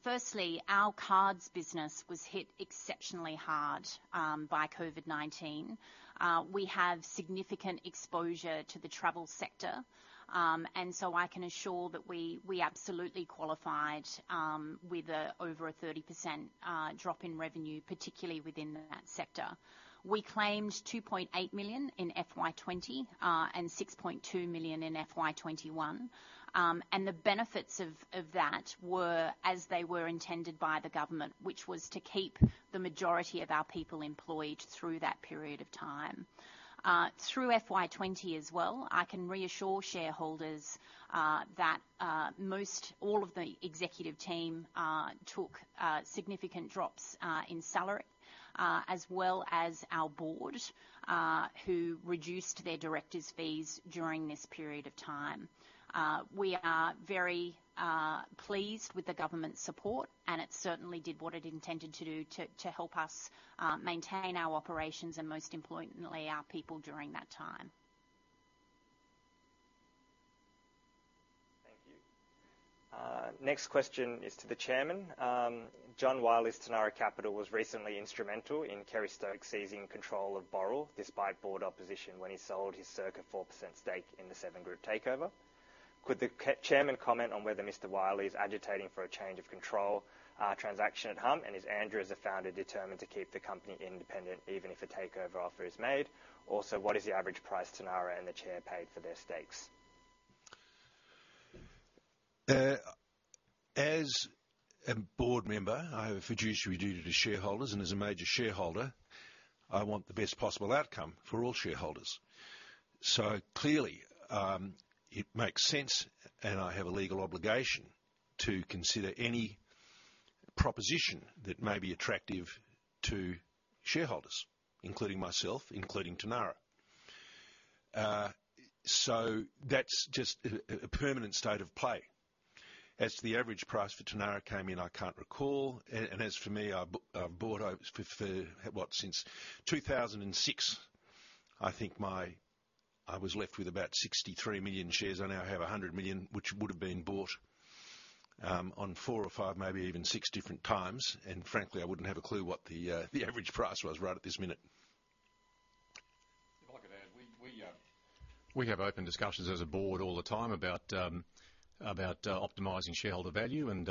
Firstly, our cards business was hit exceptionally hard by COVID-19. We have significant exposure to the travel sector. I can assure that we absolutely qualified with over a 30% drop in revenue, particularly within that sector. We claimed 2.8 million in FY 2020 and 6.2 million in FY 2021. The benefits of that were as they were intended by the government, which was to keep the majority of our people employed through that period of time. Through FY 2020 as well, I can reassure shareholders that most all of the executive team took significant drops in salary as well as our board who reduced their directors' fees during this period of time. We are very pleased with the government support, and it certainly did what it intended to do to help us maintain our operations and most importantly our people during that time. Thank you. Next question is to the chairman. John Wylie's Tanarra Capital was recently instrumental in Kerry Stokes seizing control of Boral, despite board opposition when he sold his circa 4% stake in the Seven Group takeover. Could the chairman comment on whether Mr. Wylie is agitating for a change of control transaction at Humm? And is Andrew, as a founder, determined to keep the company independent, even if a takeover offer is made? Also, what is the average price Tanarra and the chair paid for their stakes? As a board member, I have a fiduciary duty to shareholders, and as a major shareholder, I want the best possible outcome for all shareholders. Clearly, it makes sense, and I have a legal obligation to consider any proposition that may be attractive to shareholders, including myself, including Tanarra. That's just a permanent state of play. As to the average price for Tanarra came in, I can't recall. And as for me, I bought over four, what? Since 2006, I think I was left with about 63 million shares. I now have 100 million, which would have been bought on four or five, maybe even six different times. Frankly, I wouldn't have a clue what the average price was right at this minute. If I could add, we have open discussions as a board all the time about optimizing shareholder value, and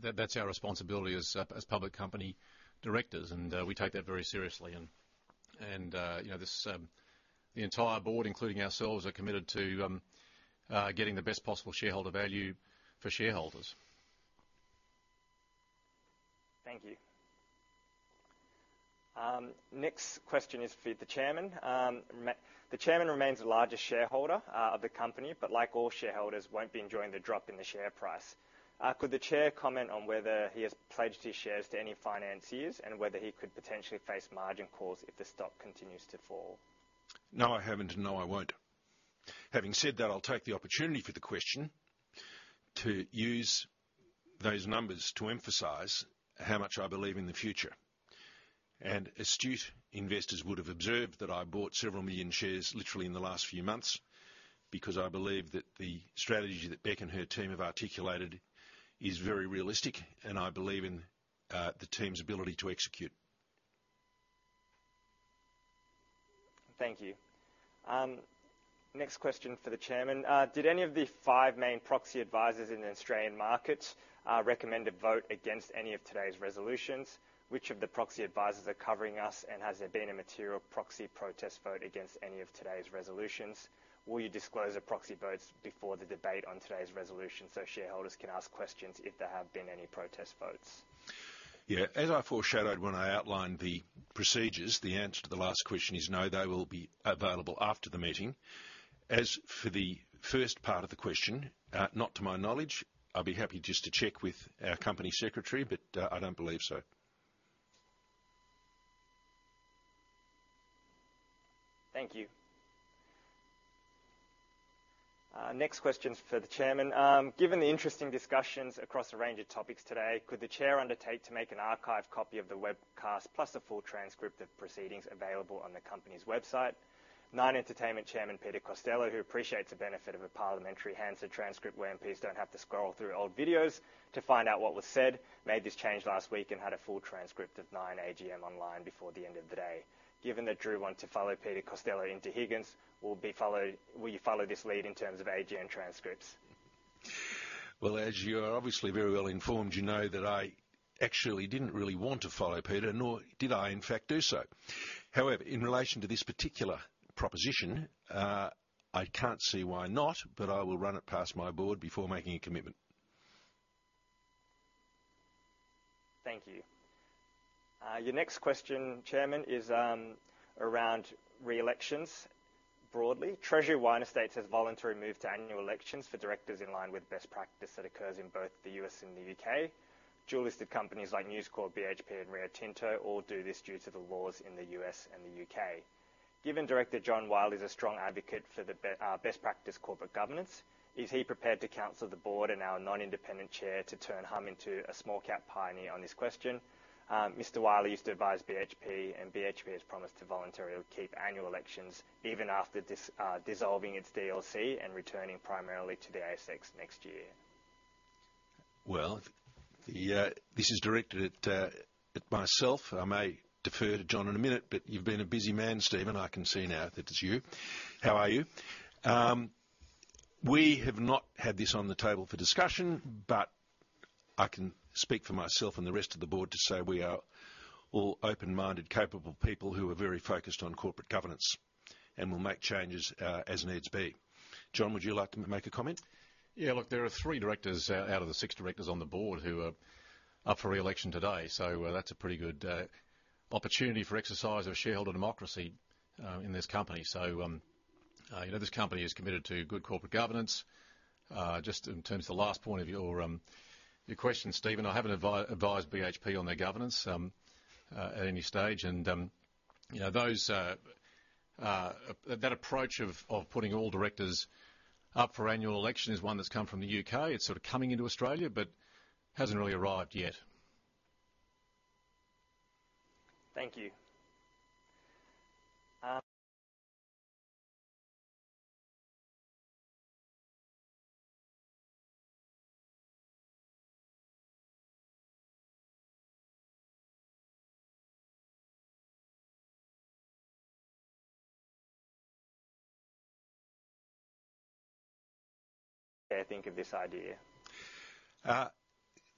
that's our responsibility as public company directors. We take that very seriously. You know, the entire board, including ourselves, are committed to getting the best possible shareholder value for shareholders. Thank you. Next question is for the chairman. The chairman remains the largest shareholder of the company, but like all shareholders, won't be enjoying the drop in the share price. Could the chair comment on whether he has pledged his shares to any financiers and whether he could potentially face margin calls if the stock continues to fall? No, I haven't. No, I won't. Having said that, I'll take the opportunity for the question to use those numbers to emphasize how much I believe in the future. Astute investors would have observed that I bought several million shares literally in the last few months because I believe that the strategy that Bec and her team have articulated is very realistic, and I believe in the team's ability to execute. Thank you. Next question for the Chairman. Did any of the five main proxy advisors in the Australian market recommend a vote against any of today's resolutions? Which of the proxy advisors are covering us, and has there been a material proxy protest vote against any of today's resolutions? Will you disclose the proxy votes before the debate on today's resolution so shareholders can ask questions if there have been any protest votes? Yeah. As I foreshadowed when I outlined the procedures, the answer to the last question is no, they will be available after the meeting. As for the first part of the question, not to my knowledge. I'll be happy just to check with our company secretary, but, I don't believe so. Thank you. Next question is for the Chairman. Given the interesting discussions across a range of topics today, could the chair undertake to make an archive copy of the webcast plus a full transcript of proceedings available on the company's website? Nine Entertainment Chairman Peter Costello, who appreciates the benefit of a parliamentary Hansard transcript where MPs don't have to scroll through old videos to find out what was said, made this change last week and had a full transcript of Nine AGM online before the end of the day. Given that Andrew wants to follow Peter Costello into Higgins, will you follow this lead in terms of AGM transcripts? Well, as you are obviously very well informed, you know that I actually didn't really want to follow Peter, nor did I, in fact, do so. However, in relation to this particular proposition, I can't see why not, but I will run it past my board before making a commitment. Thank you. Your next question, Chairman, is around reelections broadly. Treasury Wine Estates has voluntarily moved to annual elections for directors in line with best practice that occurs in both the U.S. and the U.K. Dual-listed companies like News Corp, BHP and Rio Tinto all do this due to the laws in the U.S. and the U.K. Given Director John Wylie is a strong advocate for the best practice corporate governance, is he prepared to counsel the board and our non-independent chair to turn Humm into a small cap pioneer on this question? Mr. Wylie used to advise BHP, and BHP has promised to voluntarily keep annual elections even after dissolving its DLC and returning primarily to the ASX next year. Well, this is directed at myself. I may defer to John in a minute, but you've been a busy man, Stephen. I can see now that it's you. How are you? We have not had this on the table for discussion, but I can speak for myself and the rest of the board to say we are all open-minded, capable people who are very focused on corporate governance and will make changes as needs be. John, would you like to make a comment? Yeah, look, there are three directors out of the six directors on the board who are up for reelection today, so that's a pretty good opportunity for exercise of shareholder democracy in this company. You know, this company is committed to good corporate governance. Just in terms of the last point of your question, Stephen, I haven't advised BHP on their governance at any stage. You know, that approach of putting all directors up for annual election is one that's come from the U.K. It's sort of coming into Australia but hasn't really arrived yet. Thank you.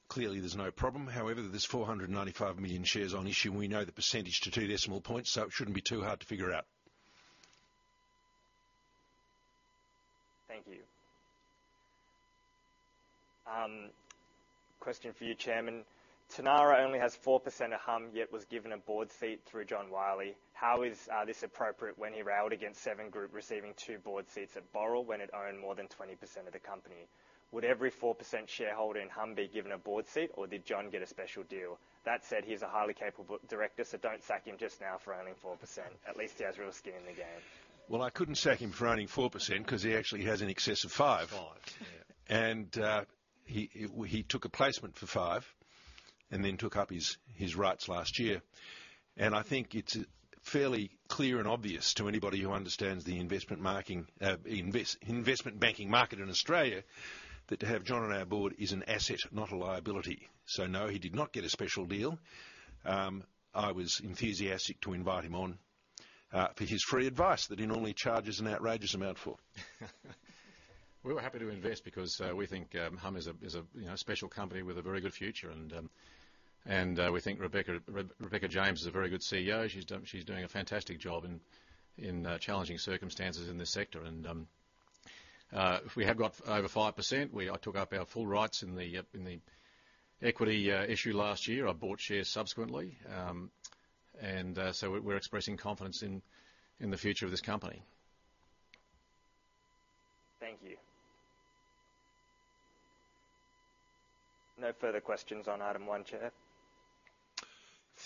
Clearly there's no problem. However, there's 495 million shares on issue, and we know the percentage to two decimal points, so it shouldn't be too hard to figure out. Thank you. Question for you, Chairman. Tanarra only has 4% of Humm, yet was given a board seat through John Wylie. How is this appropriate when he rallied against Seven Group receiving two board seats at Boral when it owned more than 20% of the company? Would every 4% shareholder in Humm be given a board seat, or did John get a special deal? That said, he is a highly capable director, so don't sack him just now for owning 4%. At least he has real skin in the game. Well, I couldn't sack him for owning 4% 'cause he actually has in excess of 5%. 5%, yeah. He took a placement for five and then took up his rights last year. I think it's fairly clear and obvious to anybody who understands the investment banking market in Australia, that to have John on our board is an asset, not a liability. No, he did not get a special deal. I was enthusiastic to invite him on for his free advice that he normally charges an outrageous amount for. We were happy to invest because we think Humm is a, you know special company with a very good future. We think Rebecca James is a very good CEO. She's doing a fantastic job in challenging circumstances in this sector. We have over 5%. I took up our full rights in the equity issue last year. I bought shares subsequently. We're expressing confidence in the future of this company. Thank you. No further questions on item one, Chair. Thank you.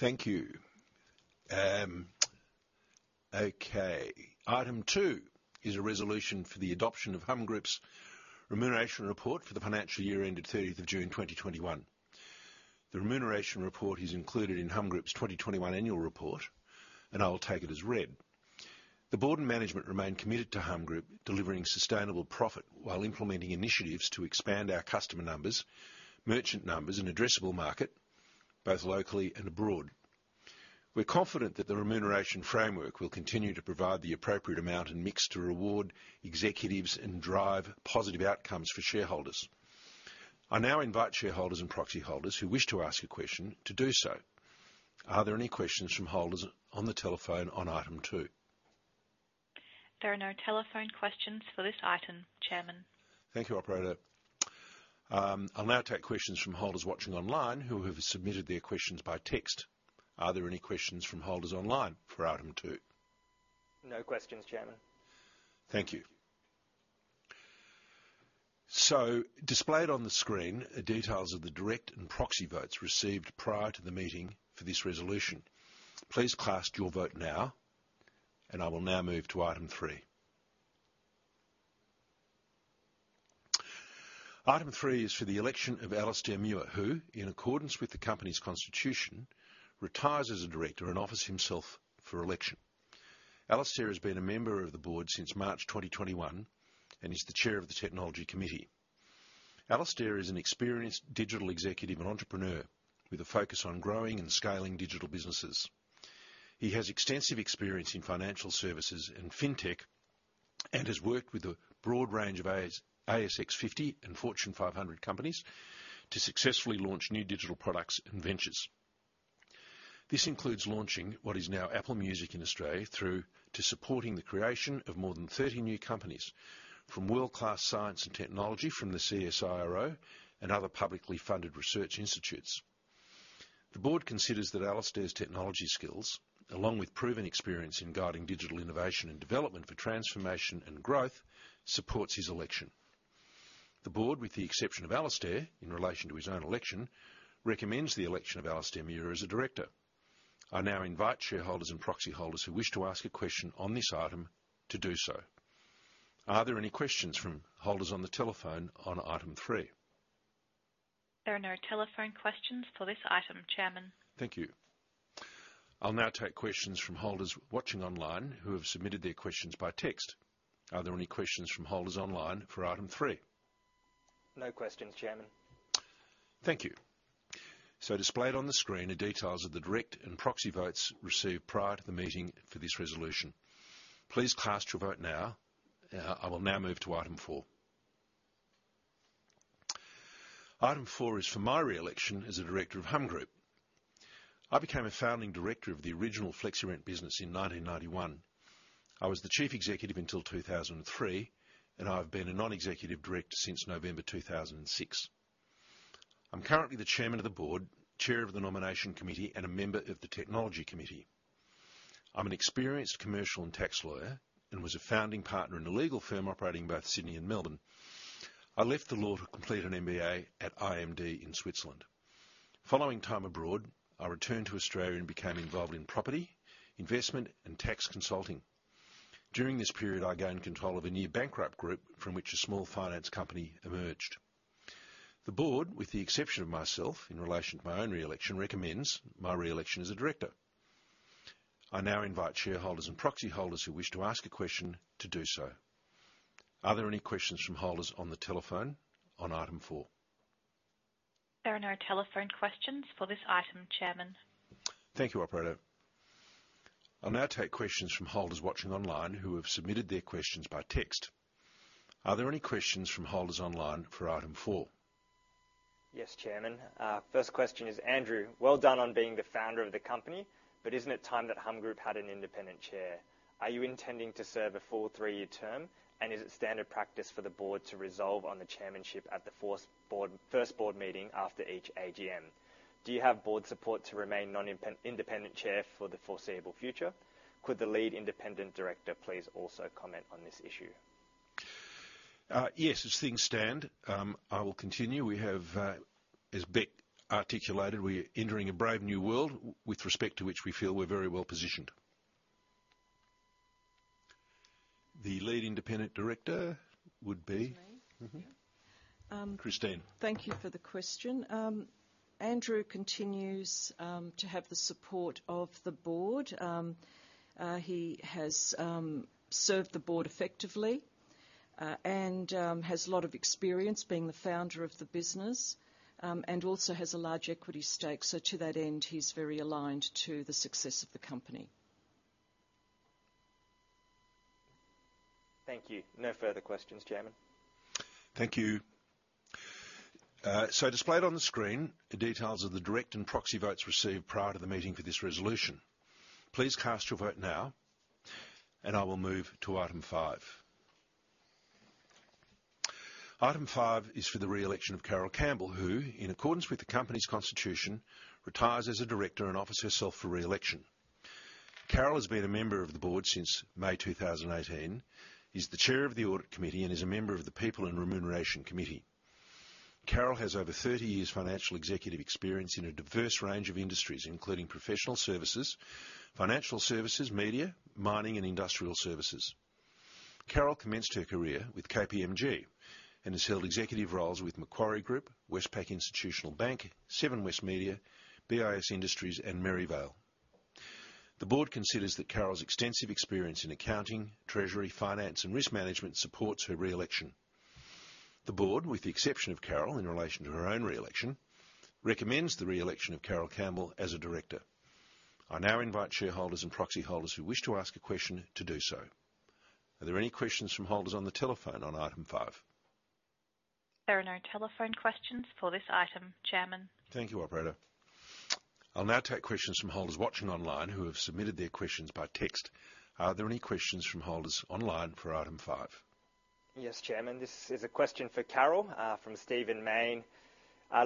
Okay. Item two is a resolution for the adoption of Humm Group's remuneration report for the financial year ended June 30th, 2021. The remuneration report is included in Humm Group's 2021 annual report, and I'll take it as read. The board and management remain committed to Humm Group delivering sustainable profit while implementing initiatives to expand our customer numbers, merchant numbers, and addressable market, both locally and abroad. We're confident that the remuneration framework will continue to provide the appropriate amount and mix to reward executives and drive positive outcomes for shareholders. I now invite shareholders and proxy holders who wish to ask a question to do so. Are there any questions from holders on the telephone on item two? There are no telephone questions for this item, Chairman. Thank you, operator. I'll now take questions from holders watching online who have submitted their questions by text. Are there any questions from holders online for item two? No questions, Chairman. Thank you. Displayed on the screen are details of the direct and proxy votes received prior to the meeting for this resolution. Please cast your vote now, and I will now move to item three. Item three is for the election of Alistair Muir, who, in accordance with the company's constitution, retires as a director and offers himself for election. Alistair has been a member of the board since March 2021 and is the Chair of the Technology Committee. Alistair is an experienced digital executive and entrepreneur with a focus on growing and scaling digital businesses. He has extensive experience in financial services and fintech and has worked with a broad range of ASX 50 and Fortune 500 companies to successfully launch new digital products and ventures. This includes launching what is now Apple Music in Australia through to supporting the creation of more than 30 new companies from world-class science and technology from the CSIRO and other publicly funded research institutes. The board considers that Alistair's technology skills, along with proven experience in guiding digital innovation and development for transformation and growth, supports his election. The board, with the exception of Alistair in relation to his own election, recommends the election of Alistair Muir as a director. I now invite shareholders and proxy holders who wish to ask a question on this item to do so. Are there any questions from holders on the telephone on item three? There are no telephone questions for this item, Chairman. Thank you. I'll now take questions from holders watching online who have submitted their questions by text. Are there any questions from holders online for item three? No questions, Chairman. Thank you. Displayed on the screen are details of the direct and proxy votes received prior to the meeting for this resolution. Please cast your vote now. I will now move to Item four4. Item four is for my re-election as a director of Humm Group. I became a founding director of the original Flexirent business in 1991. I was the Chief Executive until 2003, and I've been a Non-Executive Director since November 2006. I'm currently the Chairman of the Board, Chair of the Nomination Committee, and a member of the Technology Committee. I'm an experienced commercial and tax lawyer and was a founding partner in a legal firm operating in both Sydney and Melbourne. I left the law to complete an MBA at IMD in Switzerland. Following time abroad, I returned to Australia and became involved in property, investment, and tax consulting. During this period, I gained control of a near bankrupt group from which a small finance company emerged. The board, with the exception of myself in relation to my own re-election, recommends my re-election as a director. I now invite shareholders and proxy holders who wish to ask a question to do so. Are there any questions from holders on the telephone on item four? There are no telephone questions for this item, Chairman. Thank you, operator. I'll now take questions from holders watching online who have submitted their questions by text. Are there any questions from holders online for item four? Yes, Chairman. First question is, Andrew, well done on being the founder of the company, but isn't it time that Humm Group had an independent chair? Are you intending to serve a full three-year term? Is it standard practice for the board to resolve on the chairmanship at the first board meeting after each AGM? Do you have board support to remain non-independent chair for the foreseeable future? Could the lead independent director please also comment on this issue? Yes, as things stand, I will continue. We have, as Bec articulated, we are entering a brave new world with respect to which we feel we're very well positioned. The lead independent director would be [crosstalk. It's me. Mm-hmm. Yeah. Christine. Thank you for the question. Andrew continues to have the support of the board. He has served the board effectively, and has a lot of experience being the founder of the business, and also has a large equity stake. To that end, he's very aligned to the success of the company. Thank you. No further questions, Chairman. Thank you. So displayed on the screen are details of the direct and proxy votes received prior to the meeting for this resolution. Please cast your vote now, and I will move to item five. Item five is for the re-election of Carole Campbell, who, in accordance with the company's constitution, retires as a Director and offers herself for re-election. Carole has been a member of the Board since May 2018, is the Chair of the Audit Committee, and is a member of the People and Remuneration Committee. Carole has over 30 years' financial executive experience in a diverse range of industries, including professional services, financial services, media, mining, and industrial services. Carole commenced her career with KPMG and has held executive roles with Macquarie Group, Westpac Institutional Bank, Seven West Media, Bis Industries, and Merivale. The board considers that Carole's extensive experience in accounting, treasury, finance, and risk management supports her re-election. The board, with the exception of Carole in relation to her own re-election, recommends the re-election of Carole Campbell as a director. I now invite shareholders and proxy holders who wish to ask a question to do so. Are there any questions from holders on the telephone on item five? There are no telephone questions for this item, Chairman. Thank you, operator. I'll now take questions from holders watching online who have submitted their questions by text. Are there any questions from holders online for item five? Yes, Chairman. This is a question for Carol from Stephen Mayne.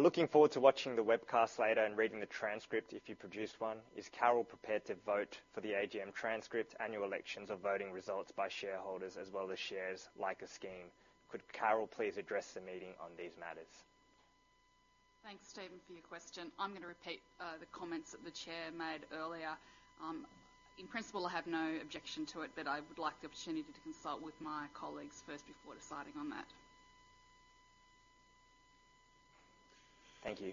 Looking forward to watching the webcast later and reading the transcript, if you produced one. Is Carol prepared to vote for the AGM transcript, annual elections, or voting results by shareholders as well as shares like a scheme? Could Carol please address the meeting on these matters? Thanks, Stephen, for your question. I'm gonna repeat the comments that the chair made earlier. In principle, I have no objection to it, but I would like the opportunity to consult with my colleagues first before deciding on that. Thank you.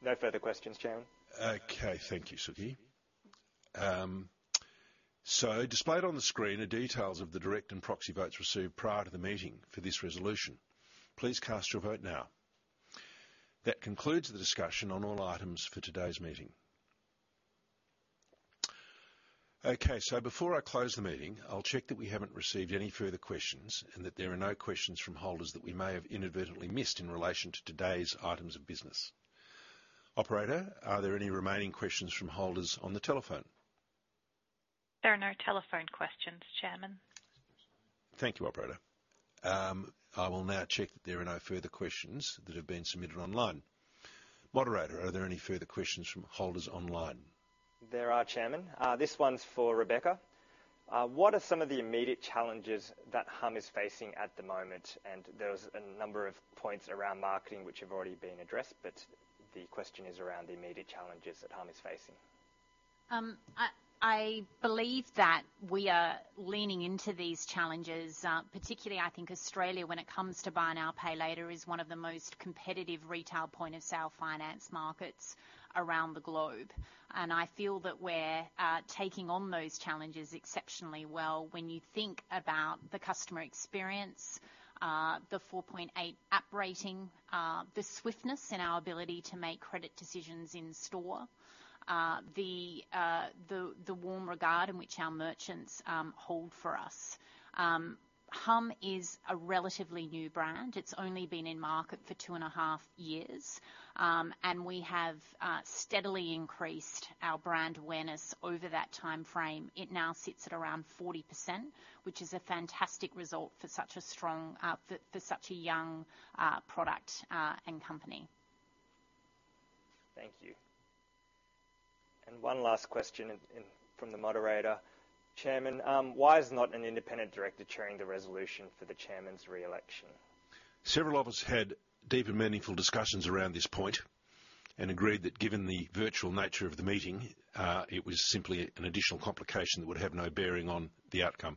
No further questions, Chairman. Okay. Thank you, Suki. Displayed on the screen are details of the direct and proxy votes received prior to the meeting for this resolution. Please cast your vote now. That concludes the discussion on all items for today's meeting. Okay, so before I close the meeting, I'll check that we haven't received any further questions and that there are no questions from holders that we may have inadvertently missed in relation to today's items of business. Operator, are there any remaining questions from holders on the telephone? There are no telephone questions, Chairman. Thank you, operator. I will now check that there are no further questions that have been submitted online. Moderator, are there any further questions from holders online? There are, Chairman. This one's for Rebecca. What are some of the immediate challenges that Humm is facing at the moment? There was a number of points around marketing which have already been addressed, but the question is around the immediate challenges that Humm is facing. I believe that we are leaning into these challenges. Particularly, I think Australia, when it comes to buy now, pay later, is one of the most competitive retail point-of-sale finance markets around the globe. I feel that we're taking on those challenges exceptionally well. When you think about the customer experience, the 4.8 app rating, the swiftness in our ability to make credit decisions in store, the warm regard in which our merchants hold for us. Humm is a relatively new brand. It's only been in market for two and a half years. We have steadily increased our brand awareness over that timeframe. It now sits at around 40%, which is a fantastic result for such a young product and company. Thank you. One last question from the moderator. Chairman, why is not an independent director chairing the resolution for the chairman's re-election? Several of us had deep and meaningful discussions around this point and agreed that given the virtual nature of the meeting, it was simply an additional complication that would have no bearing on the outcome.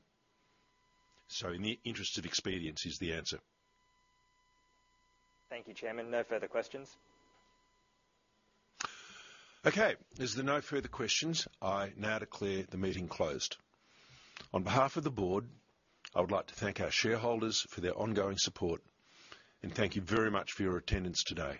In the interest of expedience is the answer. Thank you, Chairman. No further questions. Okay. As there are no further questions, I now declare the meeting closed. On behalf of the board, I would like to thank our shareholders for their ongoing support, and thank you very much for your attendance today.